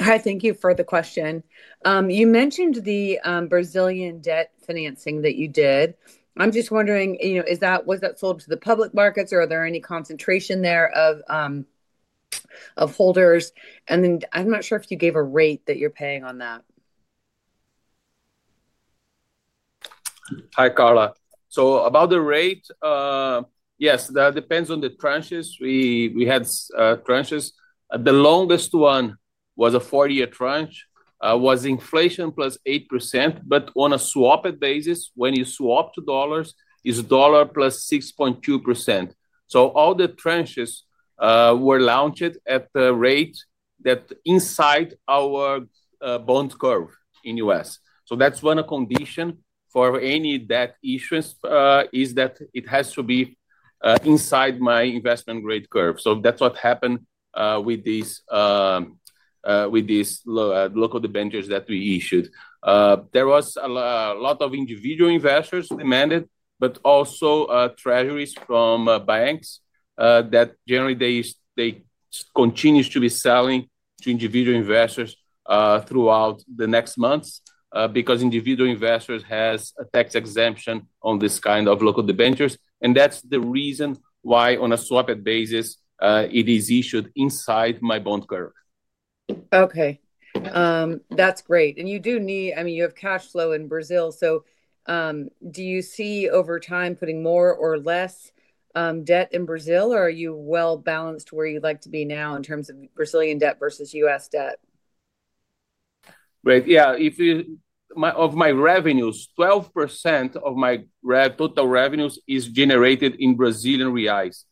Hi, thank you for the question. You mentioned the Brazilian debt financing that you did. I'm just wondering, you know, was that sold to the public markets or are there any concentration there of holders? I'm not sure if you gave a rate that you're paying on that. Hi, Carla. About the rate, yes, that depends on the tranches. We had tranches. The longest one was a four-year tranche, was inflation +8%, but on a swapped basis, when you swap to dollars, it is dollar +6.2%. All the tranches were launched at the rate that is inside our bond curve in the U.S. That is one condition for any debt issuance, that it has to be inside my investment grade curve. That is what happened with these local debentures that we issued. There was a lot of individual investors demanded, but also treasuries from banks that generally continue to be selling to individual investors throughout the next months because individual investors have a tax exemption on this kind of local debentures. That is the reason why on a swapped basis, it is issued inside my bond curve. Okay. That's great. I mean, you have cash flow in Brazil. Do you see over time putting more or less debt in Brazil, or are you well balanced where you'd like to be now in terms of Brazilian debt versus U.S. debt? Right. Yeah. Of my revenues, 12% of my total revenues is generated in Brazilian reais.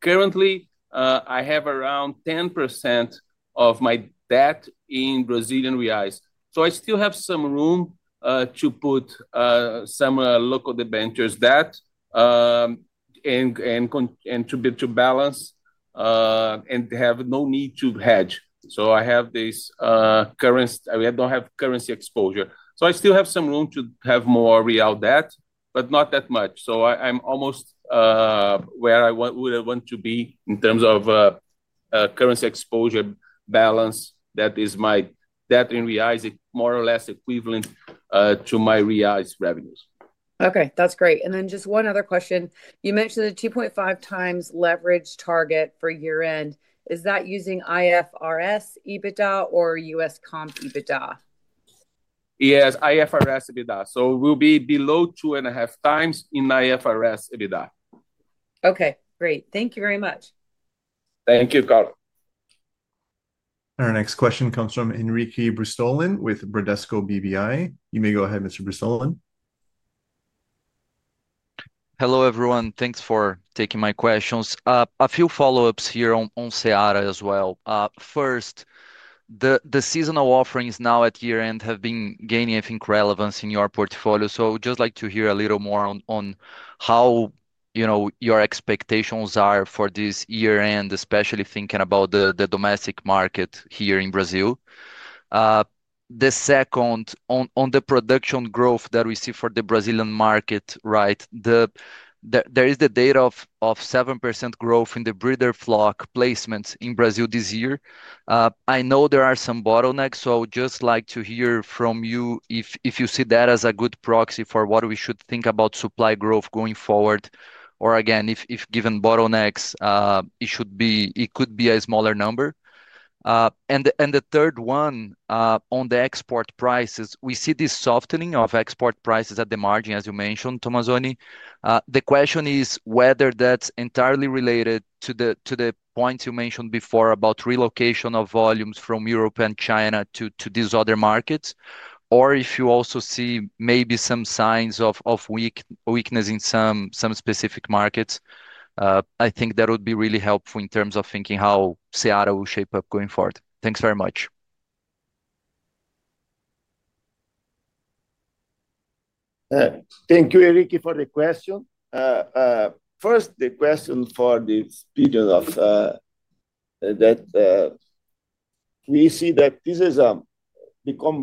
Currently, I have around 10% of my debt in Brazilian reais. I still have some room to put some local debentures debt and to balance and have no need to hedge. I have this currency. I do not have currency exposure. I still have some room to have more real debt, but not that much. I am almost where I would want to be in terms of currency exposure balance that is my debt in reais. It is more or less equivalent to my reais revenues. Okay. That's great. Just one other question. You mentioned the 2.5x leverage target for year-end. Is that using IFRS EBITDA or U.S. comp EBITDA? Yes, IFRS EBITDA. So we'll be below 2.5x in IFRS EBITDA. Okay. Great. Thank you very much. Thank you, Carla. Our next question comes from Henrique Brustolin with Bradesco BBI. You may go ahead, Mr. Brustolin. Hello, everyone. Thanks for taking my questions. A few follow-ups here on SEARA as well. First, the seasonal offerings now at year-end have been gaining, I think, relevance in your portfolio. I would just like to hear a little more on how, you know, your expectations are for this year-end, especially thinking about the domestic market here in Brazil. The second, on the production growth that we see for the Brazilian market, right, there is the data of 7% growth in the breeder flock placements in Brazil this year. I know there are some bottlenecks, so I would just like to hear from you if you see that as a good proxy for what we should think about supply growth going forward. Or again, if given bottlenecks, it could be a smaller number. The third one, on the export prices, we see this softening of export prices at the margin, as you mentioned, Tomazoni. The question is whether that is entirely related to the points you mentioned before about relocation of volumes from Europe and China to these other markets, or if you also see maybe some signs of weakness in some specific markets. I think that would be really helpful in terms of thinking how SEARA will shape up going forward. Thanks very much. Thank you, Henrique, for the question. First, the question for the speed of that we see that this has become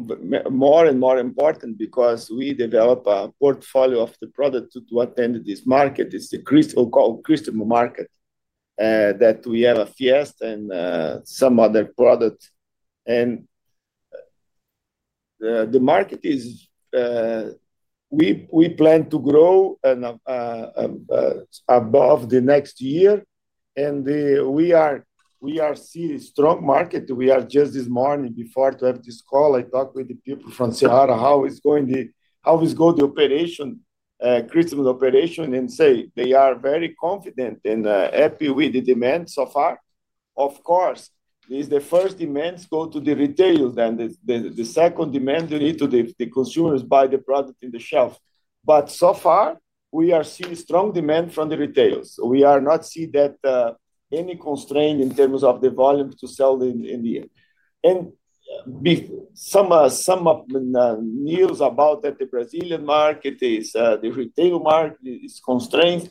more and more important because we develop a portfolio of the product to attend this market. It is the crystal market that we have a Fiesta and some other product. The market is we plan to grow above the next year. We are seeing a strong market. Just this morning before having this call, I talked with the people from SEARA. How is going the operation, crystal operation? They say they are very confident and happy with the demand so far. Of course, the first demand goes to the retail and the second demand you need to the consumers buy the product in the shelf. So far, we are seeing strong demand from the retails. We are not seeing that any constraint in terms of the volume to sell in the end. Some news about the Brazilian market is the retail market is constrained.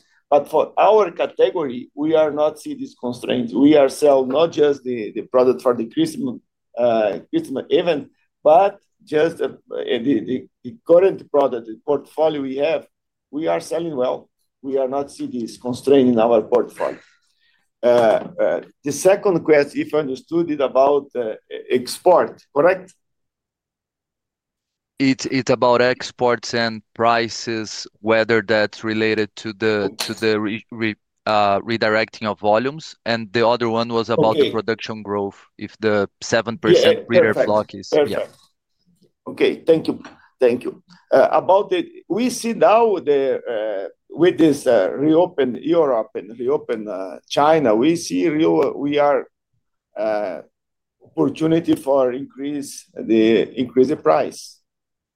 For our category, we are not seeing these constraints. We are selling not just the product for the crystal event, but just the current product, the portfolio we have. We are selling well. We are not seeing these constraints in our portfolio. The second question, if I understood it about export, correct? It's about exports and prices, whether that's related to the redirecting of volumes. The other one was about the production growth, if the 7% breeder flock is. Okay. Thank you. About the we see now with this reopen Europe and reopen China, we see real we are opportunity for increase the price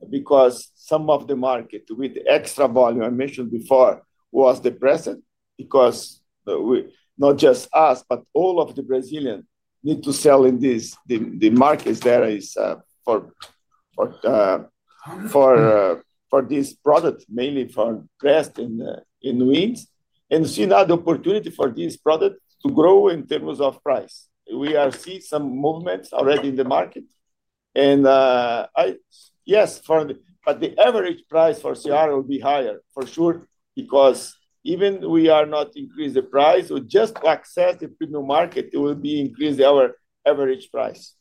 because some of the market with the extra volume I mentioned before was the present because not just us, but all of the Brazilian need to sell in this. The market there is for this product, mainly for breast and wings. See now the opportunity for this product to grow in terms of price. We are seeing some movements already in the market. Yes, the average price for SEARA will be higher for sure because even we are not increase the price or just access the premium market, it will be increase our average price.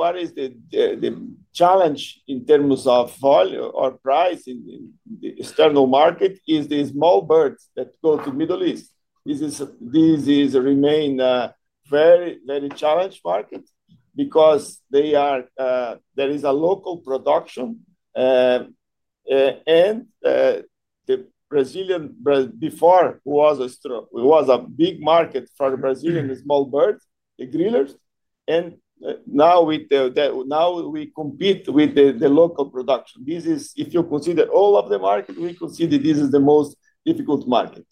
What is the challenge in terms of volume or price in the external market is the small birds that go to the Middle East. This remains a very, very challenged market because there is local production and before, it was a big market for Brazilian small birds, the grillers. Now we compete with the local production. If you consider all of the market, we consider this is the most difficult market.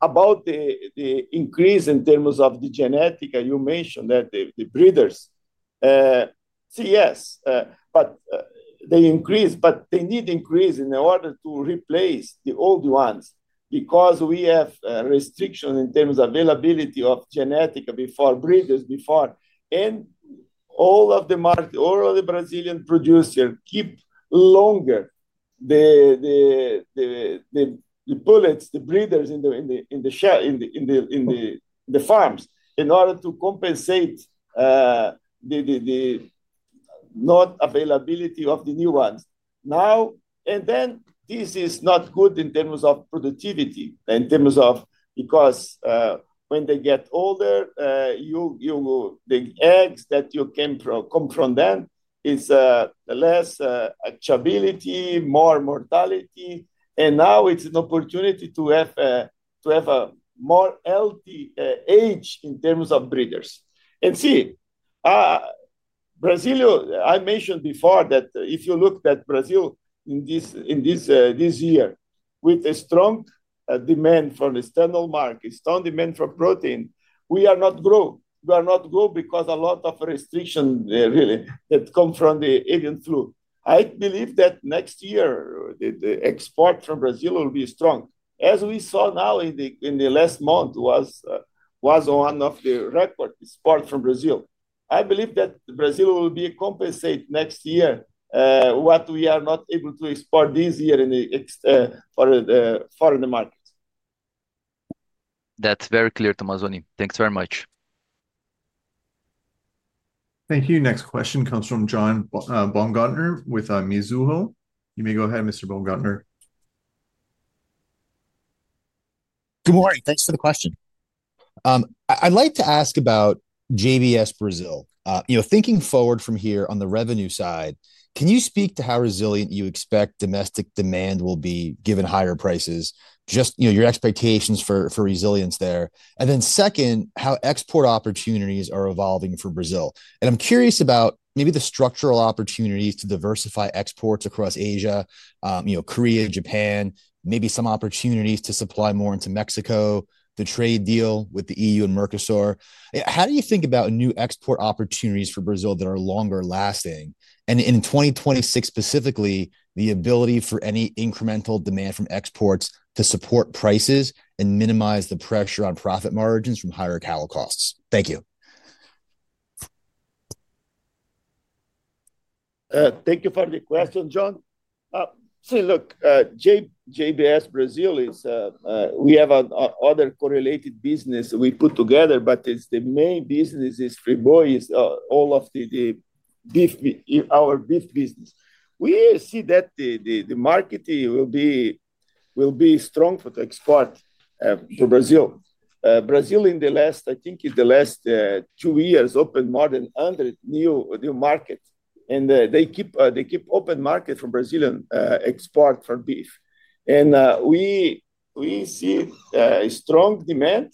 About the increase in terms of the genetic, you mentioned that the breeders, yes, but they increase, but they need increase in order to replace the old ones because we have restrictions in terms of availability of genetic breeders before. All of the market, all of the Brazilian producers keep longer the bullets, the breeders in the farms in order to compensate the not availability of the new ones. This is not good in terms of productivity because when they get older, the eggs that you come from them is less achievability, more mortality. Now it is an opportunity to have a more healthy age in terms of breeders. Brazil, I mentioned before that if you look at Brazil in this year with a strong demand for external market, strong demand for protein, we are not growing. We are not growing because a lot of restrictions really that come from the avian flu. I believe that next year the export from Brazil will be strong. As we saw now in the last month, it was one of the record export from Brazil. I believe that Brazil will be compensate next year what we are not able to export this year for the market. That's very clear, Tomazoni. Thanks very much. Thank you. Next question comes from John Baumgartner with Mizuho. You may go ahead, Mr. Baumgartner. Good morning. Thanks for the question. I'd like to ask about JBS Brazil. You know, thinking forward from here on the revenue side, can you speak to how resilient you expect domestic demand will be given higher prices, just your expectations for resilience there? Then second, how export opportunities are evolving for Brazil? I'm curious about maybe the structural opportunities to diversify exports across Asia, you know, Korea, Japan, maybe some opportunities to supply more into Mexico, the trade deal with the EU and Mercosur. How do you think about new export opportunities for Brazil that are longer lasting? In 2026 specifically, the ability for any incremental demand from exports to support prices and minimize the pressure on profit margins from higher cattle costs. Thank you. Thank you for the question, John. See, look, JBS Brazil is we have other correlated business we put together, but the main business is Friboi, is all of the beef, our beef business. We see that the market will be strong for export for Brazil. Brazil in the last, I think in the last two years, opened more than 100 new markets. They keep open market for Brazilian export for beef. We see strong demand.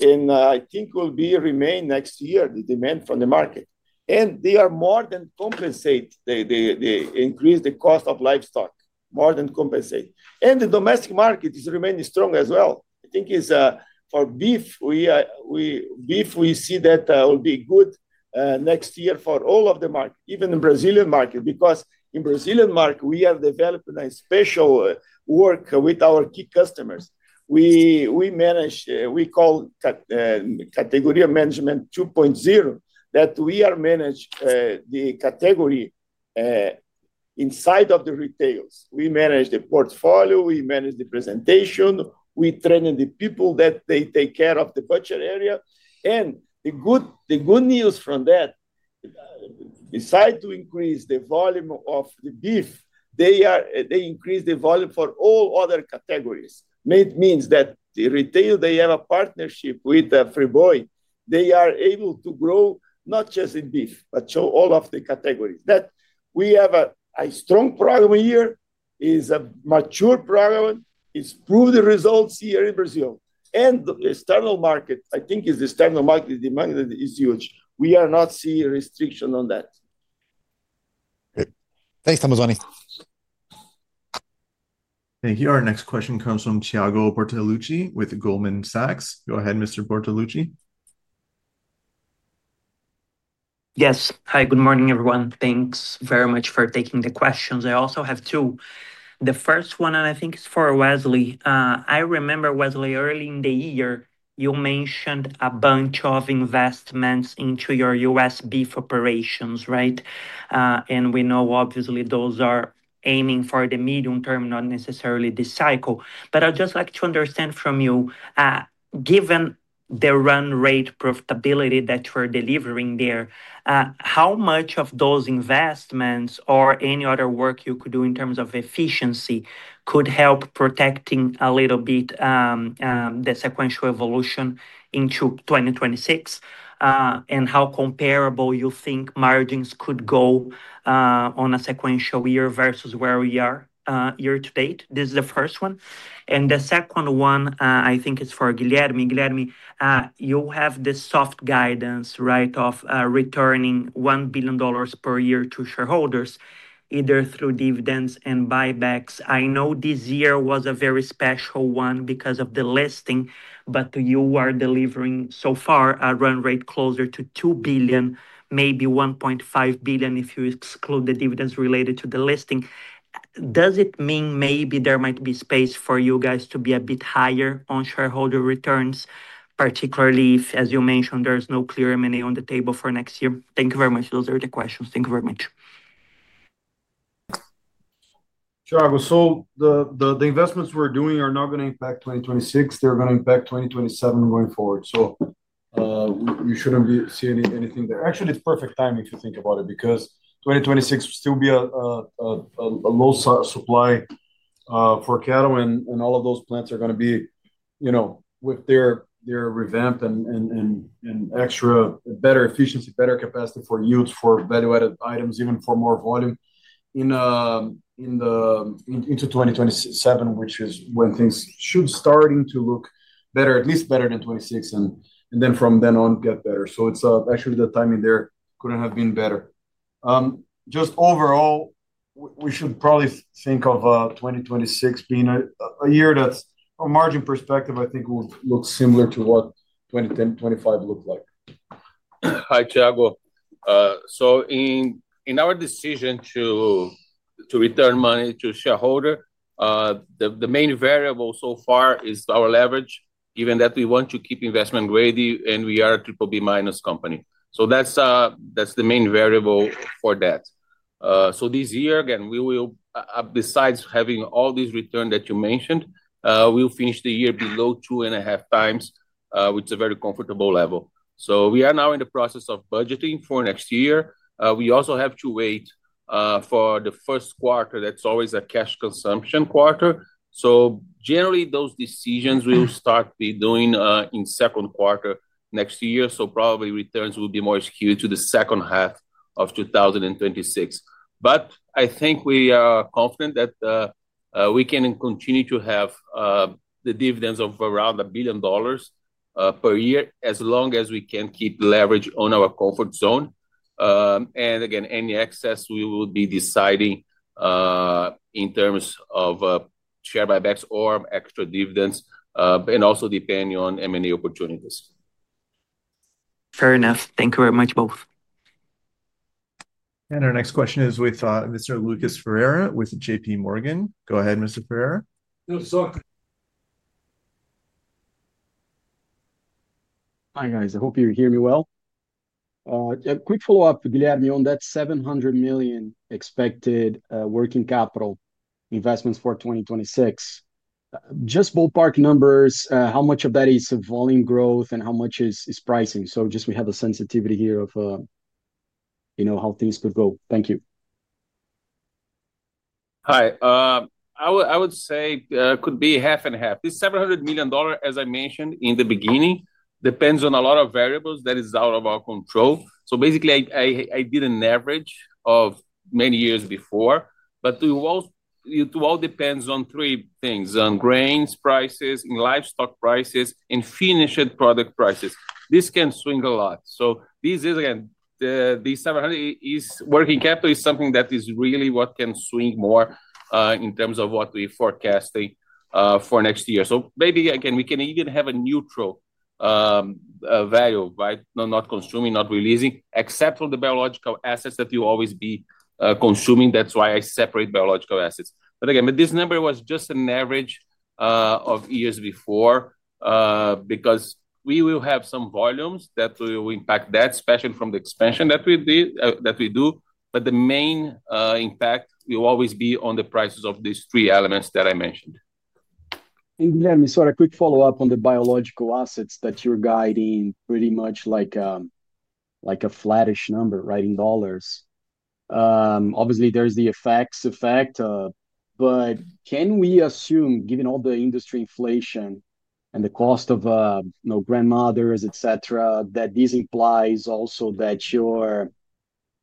I think will be remain next year the demand from the market. They are more than compensate, they increase the cost of livestock, more than compensate. The domestic market is remaining strong as well. I think is for beef, we see that will be good next year for all of the market, even the Brazilian market, because in Brazilian market, we have developed a special work with our key customers. We manage, we call category management 2.0 that we are manage the category inside of the retails. We manage the portfolio, we manage the presentation, we train the people that they take care of the butcher area. The good news from that, besides to increase the volume of the beef, they increase the volume for all other categories. It means that the retail, they have a partnership with Friboi. They are able to grow not just in beef, but show all of the categories. That we have a strong program here is a mature program, is proved results here in Brazil. The external market, I think, is the external market demand is huge. We are not seeing restriction on that. Thanks, Tomazoni. Thank you. Our next question comes from Thiago Bortoluci with Goldman Sachs. Go ahead, Mr. Bortoluci. Yes. Hi, good morning, everyone. Thanks very much for taking the questions. I also have two. The first one, and I think it's for Wesley. I remember, Wesley, early in the year, you mentioned a bunch of investments into your U.S. beef operations, right? We know obviously those are aiming for the medium term, not necessarily the cycle. I'd just like to understand from you, given the run rate profitability that you are delivering there, how much of those investments or any other work you could do in terms of efficiency could help protecting a little bit the sequential evolution into 2026? How comparable you think margins could go on a sequential year versus where we are year to date? This is the first one. The second one, I think it's for Guilherme. Guilherme, you have this soft guidance, right, of returning $1 billion per year to shareholders, either through dividends and buybacks. I know this year was a very special one because of the listing, but you are delivering so far a run rate closer to $2 billion, maybe $1.5 billion if you exclude the dividends related to the listing. Does it mean maybe there might be space for you guys to be a bit higher on shareholder returns, particularly if, as you mentioned, there is no clear M&A on the table for next year? Thank you very much. Those are the questions. Thank you very much. Tiago, so the investments we're doing are not going to impact 2026. They're going to impact 2027 going forward. We shouldn't see anything there. Actually, it's perfect timing if you think about it because 2026 will still be a low supply for cattle and all of those plants are going to be, you know, with their revamp and extra better efficiency, better capacity for yields for value-added items, even for more volume into 2027, which is when things should start to look better, at least better than 2026, and then from then on get better. The timing there couldn't have been better. Just overall, we should probably think of 2026 being a year that from a margin perspective, I think will look similar to what 2025 looked like. Hi, Thiago. In our decision to return money to shareholder, the main variable so far is our leverage, given that we want to keep investment ready and we are a triple B minus company. That is the main variable for that. This year, again, we will, besides having all these returns that you mentioned, finish the year below 2.5x, which is a very comfortable level. We are now in the process of budgeting for next year. We also have to wait for the first quarter. That is always a cash consumption quarter. Generally, those decisions will start being made in the second quarter next year. Probably returns will be more skewed to the second half of 2026. I think we are confident that we can continue to have the dividends of around $1 billion per year as long as we can keep leverage on our comfort zone. Again, any excess we will be deciding in terms of share buybacks or extra dividends and also depending on M&A opportunities. Fair enough. Thank you very much both. Our next question is with Mr. Lucas Ferreira with JPMorgan. Go ahead, Mr. Ferreira. Hi, guys. I hope you hear me well. Quick follow-up, Guilherme, on that $700 million expected working capital investments for 2026. Just ballpark numbers, how much of that is volume growth and how much is pricing? Just we have a sensitivity here of, you know, how things could go. Thank you. Hi. I would say it could be half and half. This $700 million, as I mentioned in the beginning, depends on a lot of variables that is out of our control. Basically, I did an average of many years before, but it all depends on three things: on grains prices, in livestock prices, and finished product prices. This can swing a lot. This is, again, the $700 is working capital is something that is really what can swing more in terms of what we forecasting for next year. Maybe again, we can even have a neutral value, right? Not consuming, not releasing, except for the biological assets that you always be consuming. That is why I separate biological assets. Again, this number was just an average of years before because we will have some volumes that will impact that, especially from the expansion that we do. The main impact will always be on the prices of these three elements that I mentioned. Guilherme, sorry, quick follow-up on the biological assets that you're guiding pretty much like a flattish number, right, in dollars. Obviously, there's the FX effect, but can we assume, given all the industry inflation and the cost of grandmothers, etc., that this implies also that your,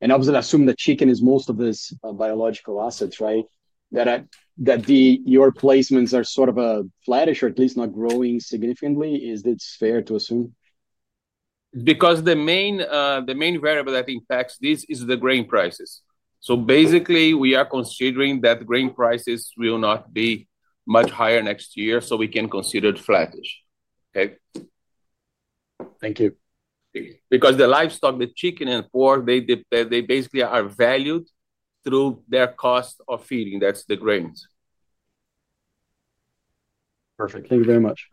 and obviously assume that chicken is most of this biological assets, right? That your placements are sort of a flattish or at least not growing significantly. Is it fair to assume? Because the main variable that impacts this is the grain prices. Basically, we are considering that grain prices will not be much higher next year, so we can consider it flattish. Okay. Thank you. Because the livestock, the chicken and pork, they basically are valued through their cost of feeding. That's the grains. Perfect. Thank you very much.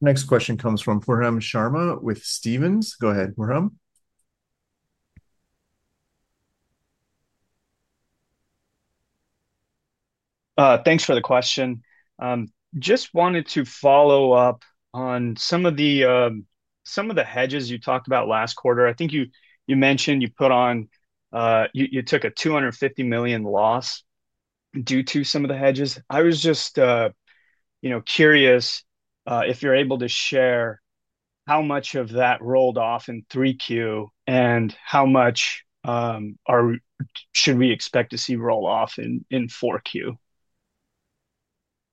Next question comes from Pooran Sharma with Stephens. Go ahead, Pooran. Thanks for the question. Just wanted to follow up on some of the hedges you talked about last quarter. I think you mentioned you put on, you took a $250 million loss due to some of the hedges. I was just, you know, curious if you're able to share how much of that rolled off in 3Q and how much should we expect to see roll off in 4Q.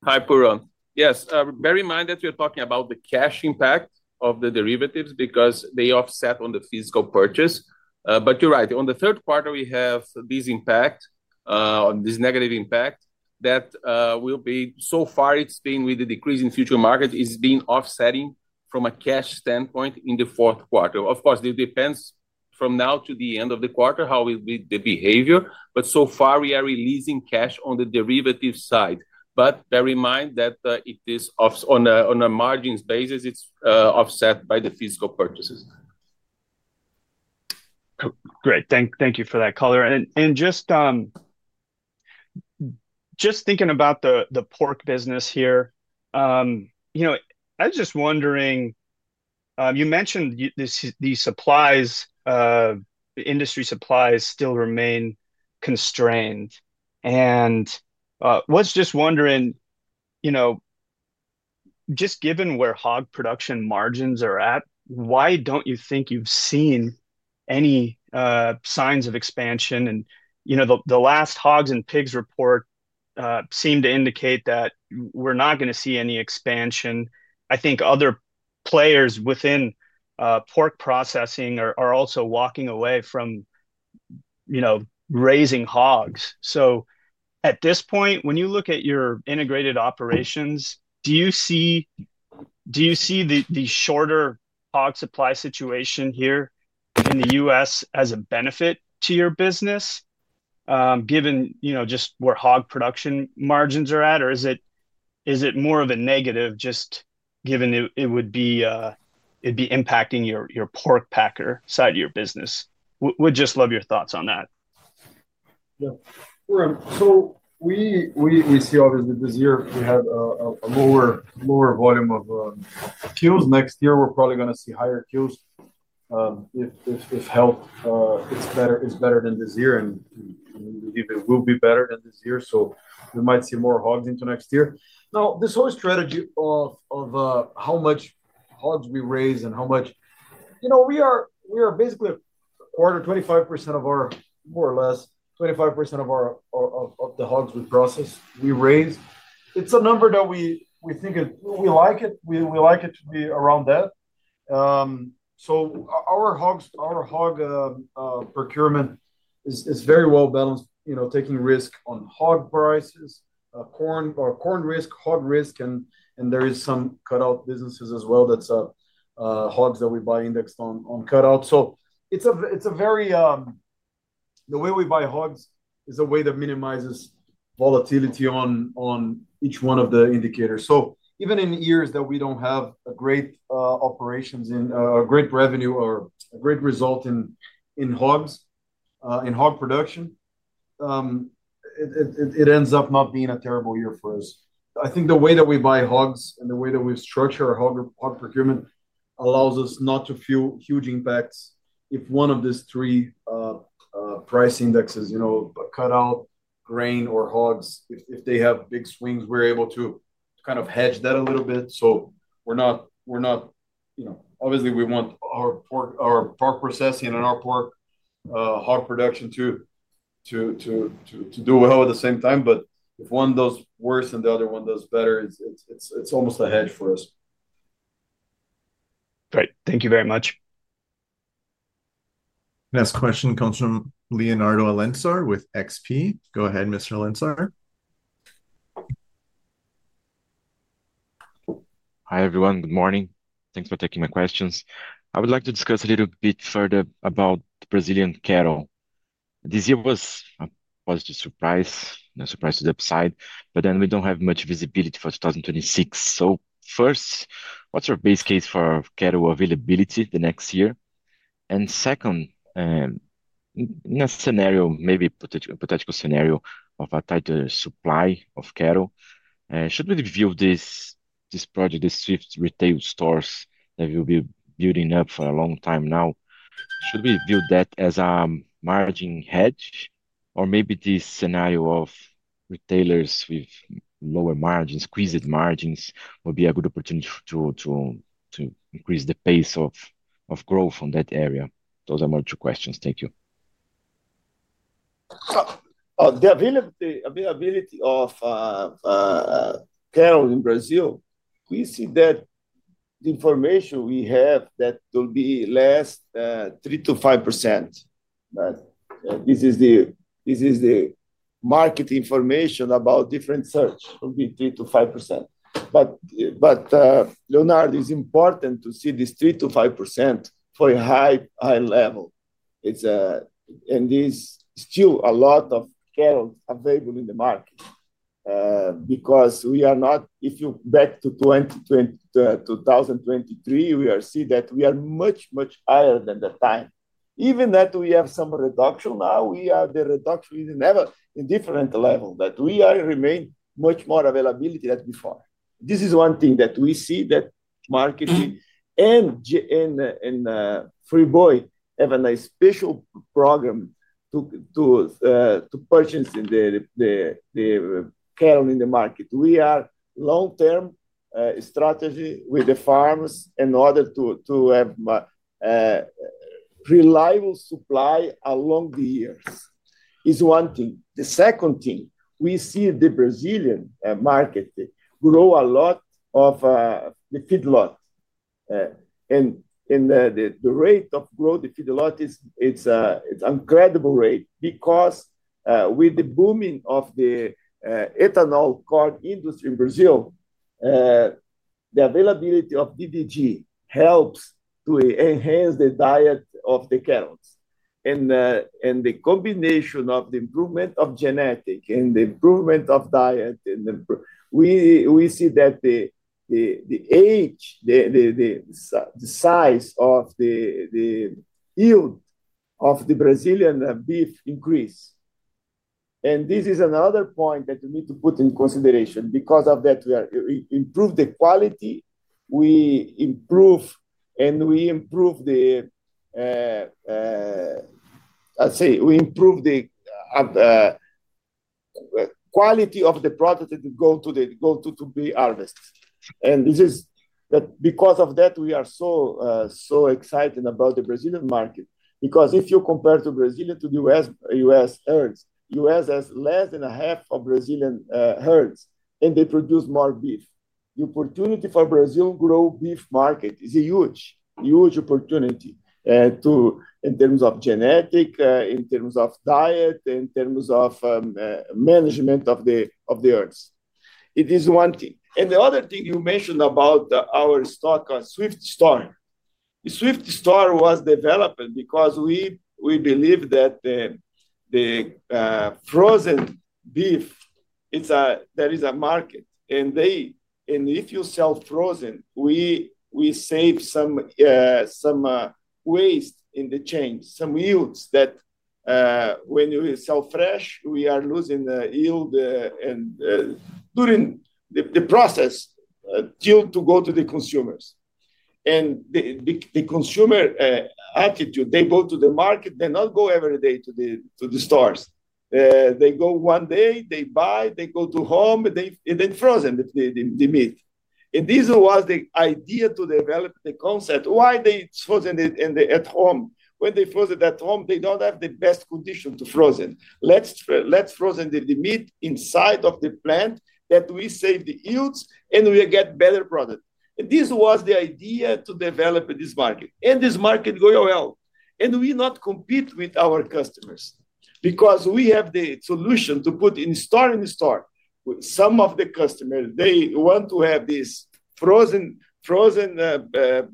Hi, Pooran. Yes. Bear in mind that we are talking about the cash impact of the derivatives because they offset on the physical purchase. You're right. On the third quarter, we have this impact, this negative impact that will be, so far it's been, with the decrease in future market, is being offsetting from a cash standpoint in the fourth quarter. Of course, it depends from now to the end of the quarter how the behavior, but so far we are releasing cash on the derivative side. Bear in mind that it is on a margins basis, it's offset by the physical purchases. Great. Thank you for that, Calder. Just thinking about the pork business here, you know, I was just wondering, you mentioned these supplies, industry supplies still remain constrained. I was just wondering, you know, just given where hog production margins are at, why do you think you have not seen any signs of expansion? The last hogs and pigs report seemed to indicate that we are not going to see any expansion. I think other players within pork processing are also walking away from, you know, raising hogs. At this point, when you look at your integrated operations, do you see the shorter hog supply situation here in the U.S. as a benefit to your business, given, you know, just where hog production margins are at? Or is it more of a negative just given it would be impacting your pork packer side of your business? We'd just love your thoughts on that. Yeah. So we see obviously this year, we have a lower volume of kills. Next year, we're probably going to see higher kills if health is better than this year. We believe it will be better than this year. We might see more hogs into next year. Now, this whole strategy of how much hogs we raise and how much, you know, we are basically a quarter, 25% of our, more or less, 25% of the hogs we process, we raise. It's a number that we think we like it. We like it to be around that. Our hog procurement is very well balanced, you know, taking risk on hog prices, corn risk, hog risk, and there is some cut-out businesses as well that's hogs that we buy indexed on cut-out. It's a very, the way we buy hogs is a way that minimizes volatility on each one of the indicators. Even in years that we don't have great operations and great revenue or great result in hogs, in hog production, it ends up not being a terrible year for us. I think the way that we buy hogs and the way that we structure our hog procurement allows us not to feel huge impacts if one of these three price indexes, you know, cut-out, grain, or hogs, if they have big swings, we're able to kind of hedge that a little bit. We're not, you know, obviously we want our pork processing and our pork hog production to do well at the same time. If one does worse and the other one does better, it's almost a hedge for us. Great. Thank you very much. Next question comes from Leonardo Alencar with XP. Go ahead, Mr. Alencar. Hi, everyone. Good morning. Thanks for taking my questions. I would like to discuss a little bit further about Brazilian cattle. This year was a positive surprise, a surprise to the upside, but then we do not have much visibility for 2026. First, what is our base case for cattle availability the next year? Second, in a scenario, maybe a potential scenario of a tighter supply of cattle, should we view this project, this Swift retail stores that we have been building up for a long time now, should we view that as a margin hedge? Or maybe this scenario of retailers with lower margins, squeezed margins, would be a good opportunity to increase the pace of growth in that area? Those are my two questions. Thank you. The availability of cattle in Brazil, we see that the information we have that will be less 3%-5%. This is the market information about different search, will be 3%-5%. Leonardo, it's important to see this 3%-5% for a high level. There is still a lot of cattle available in the market because we are not, if you back to 2023, we are seeing that we are much, much higher than the time. Even that we have some reduction now, the reduction is never in different level that we are remain much more availability than before. This is one thing that we see that market and Friboi have a special program to purchase cattle in the market. We are long-term strategy with the farms in order to have reliable supply along the years. It's one thing. The second thing, we see the Brazilian market grow a lot of the feedlot. The rate of growth, the feedlot, it's an incredible rate because with the booming of the ethanol corn industry in Brazil, the availability of DDG helps to enhance the diet of the cattle. The combination of the improvement of genetic and the improvement of diet, we see that the age, the size of the yield of the Brazilian beef increase. This is another point that we need to put in consideration because of that, we improve the quality, we improve, and we improve the, I'd say, we improve the quality of the product that go to be harvested. This is because of that, we are so excited about the Brazilian market because if you compare Brazil to the U.S. herds, U.S. has less than half of Brazilian herds, and they produce more beef. The opportunity for Brazil to grow beef market is a huge, huge opportunity in terms of genetic, in terms of diet, in terms of management of the herds. It is one thing. The other thing you mentioned about our stock, Swift store. The Swift store was developed because we believe that the frozen beef, there is a market. If you sell frozen, we save some waste in the chain, some yields that when you sell fresh, we are losing the yield during the process till to go to the consumers. The consumer attitude, they go to the market, they not go every day to the stores. They go one day, they buy, they go to home, and then frozen the meat. This was the idea to develop the concept why they frozen it at home. When they froze it at home, they do not have the best condition to frozen. Let's frozen the meat inside of the plant that we save the yields and we get better product. This was the idea to develop this market. This market going well, and we not compete with our customers because we have the solution to put in store in store. Some of the customers, they want to have this frozen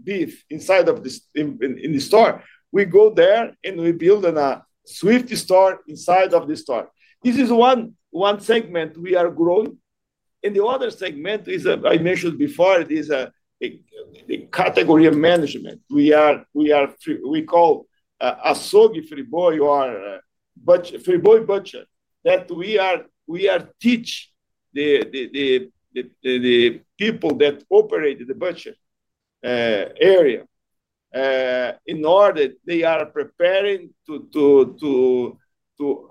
beef inside of the store. We go there and we build a Swift store inside of the store. This is one segment we are growing. The other segment is, I mentioned before, it is the category of management. We call a soggy Friboi or Friboi butcher that we are teach the people that operate the butcher area in order they are preparing to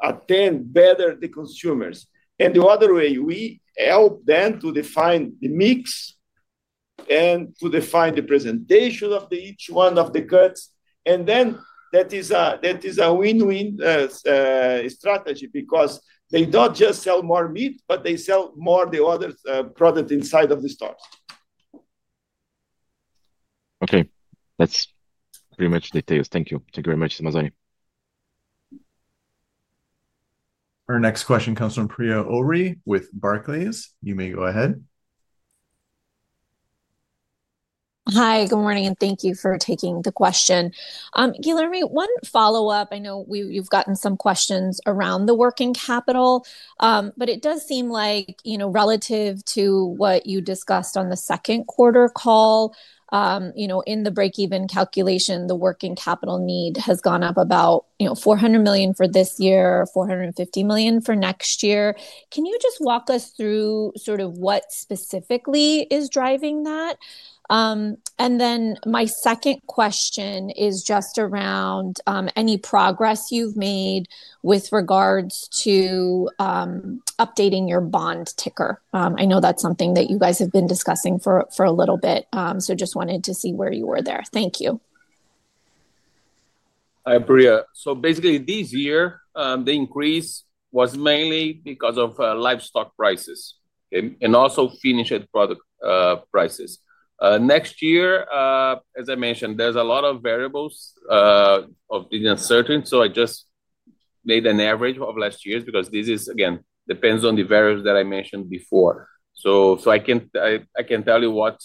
attend better the consumers. In the other way, we help them to define the mix and to define the presentation of each one of the cuts. That is a win-win strategy because they do not just sell more meat, but they sell more the other product inside of the store. Okay. That's pretty much the details. Thank you. Thank you very much, Tomazoni. Our next question comes from Priya Ohri with Barclays. You may go ahead. Hi, good morning, and thank you for taking the question. Guilherme, one follow-up. I know you've gotten some questions around the working capital, but it does seem like, you know, relative to what you discussed on the second quarter call, you know, in the break-even calculation, the working capital need has gone up about, you know, $400 million for this year, $450 million for next year. Can you just walk us through sort of what specifically is driving that? My second question is just around any progress you've made with regards to updating your bond ticker. I know that's something that you guys have been discussing for a little bit, so just wanted to see where you were there. Thank you. Hi, Priya. So basically this year, the increase was mainly because of livestock prices and also finished product prices. Next year, as I mentioned, there's a lot of variables of the uncertainty. I just made an average of last year's because this is, again, depends on the variables that I mentioned before. I can tell you what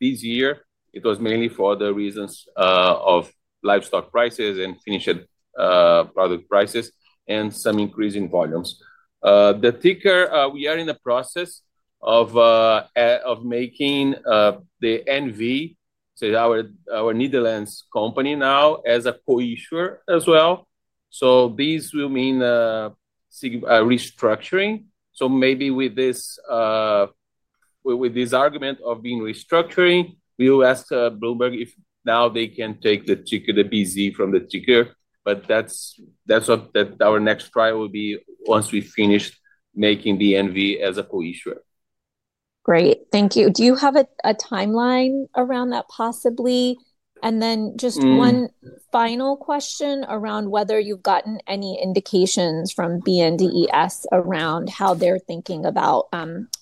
this year, it was mainly for the reasons of livestock prices and finished product prices and some increase in volumes. The ticker, we are in the process of making the NV, so our Netherlands company now as a co-issuer as well. This will mean restructuring. Maybe with this argument of being restructuring, we will ask Bloomberg if now they can take the BZ from the ticker, but that's our next try will be once we finish making the NV as a co-issuer. Great. Thank you. Do you have a timeline around that possibly? And then just one final question around whether you've gotten any indications from BNDES around how they're thinking about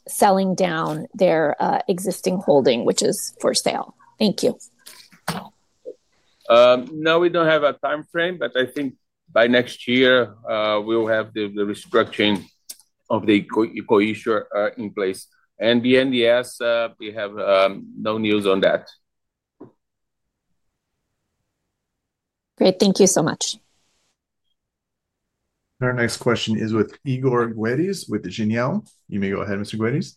selling down their existing holding, which is for sale. Thank you. No, we do not have a timeframe, but I think by next year, we will have the restructuring of the co-issuer in place. BNDES, we have no news on that. Great. Thank you so much. Our next question is with Igor Guedes with Genial. You may go ahead, Mr. Guedes.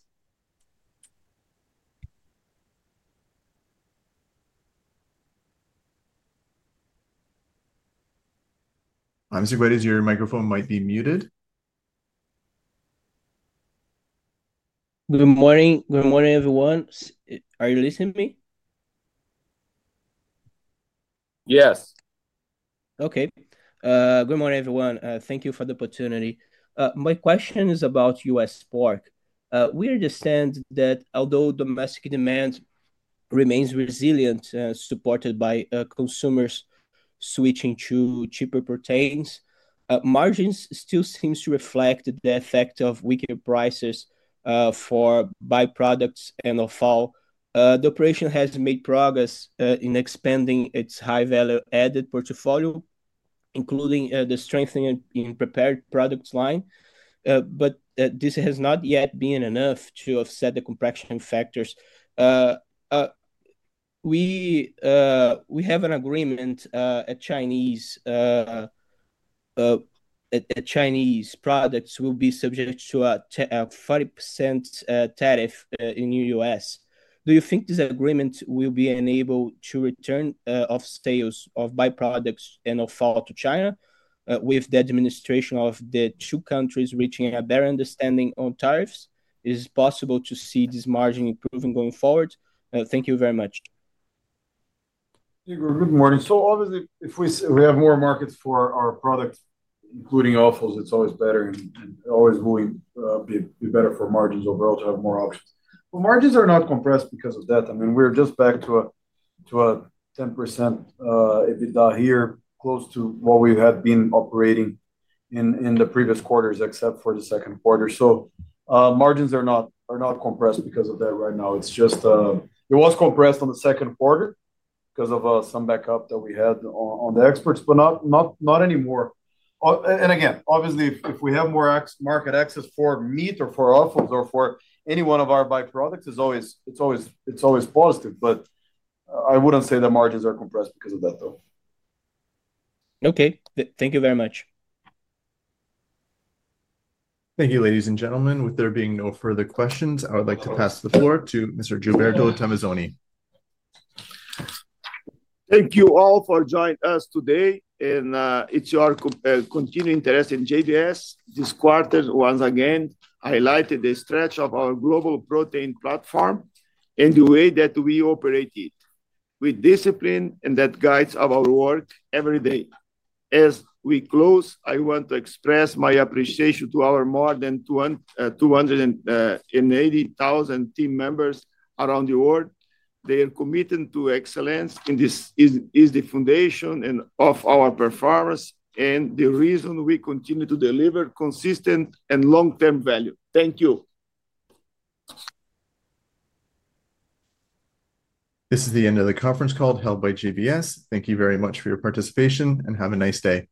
Mr. Guedes, your microphone might be muted. Good morning. Good morning, everyone. Are you listening to me? Yes. Okay. Good morning, everyone. Thank you for the opportunity. My question is about U.S. pork. We understand that although domestic demand remains resilient and supported by consumers switching to cheaper proteins, margins still seem to reflect the effect of weaker prices for byproducts and offal. The operation has made progress in expanding its high-value-added portfolio, including the strengthening in prepared products line, but this has not yet been enough to offset the contraction factors. We have an agreement that Chinese products will be subject to a 40% tariff in the U.S. Do you think this agreement will be enabled to return of sales of byproducts and offal to China with the administration of the two countries reaching a better understanding on tariffs? Is it possible to see this margin improving going forward? Thank you very much. Igor, good morning. Obviously, if we have more markets for our product, including offals, it is always better and always will be better for margins overall to have more options. Margins are not compressed because of that. I mean, we are just back to a 10% EBITDA here, close to what we had been operating in the previous quarters, except for the second quarter. Margins are not compressed because of that right now. It was compressed in the second quarter because of some backup that we had on the exports, but not anymore. Again, obviously, if we have more market access for meat or for offals or for any one of our byproducts, it is always positive. I would not say the margins are compressed because of that, though. Okay. Thank you very much. Thank you, ladies and gentlemen. With there being no further questions, I would like to pass the floor to Mr. Gilberto Tomazoni. Thank you all for joining us today. Your continued interest in JBS this quarter once again highlighted the strength of our global protein platform and the way that we operate it with discipline that guides our work every day. As we close, I want to express my appreciation to our more than 280,000 team members around the world. They are committed to excellence and this is the foundation of our performance and the reason we continue to deliver consistent and long-term value. Thank you. This is the end of the conference call held by JBS. Thank you very much for your participation and have a nice day.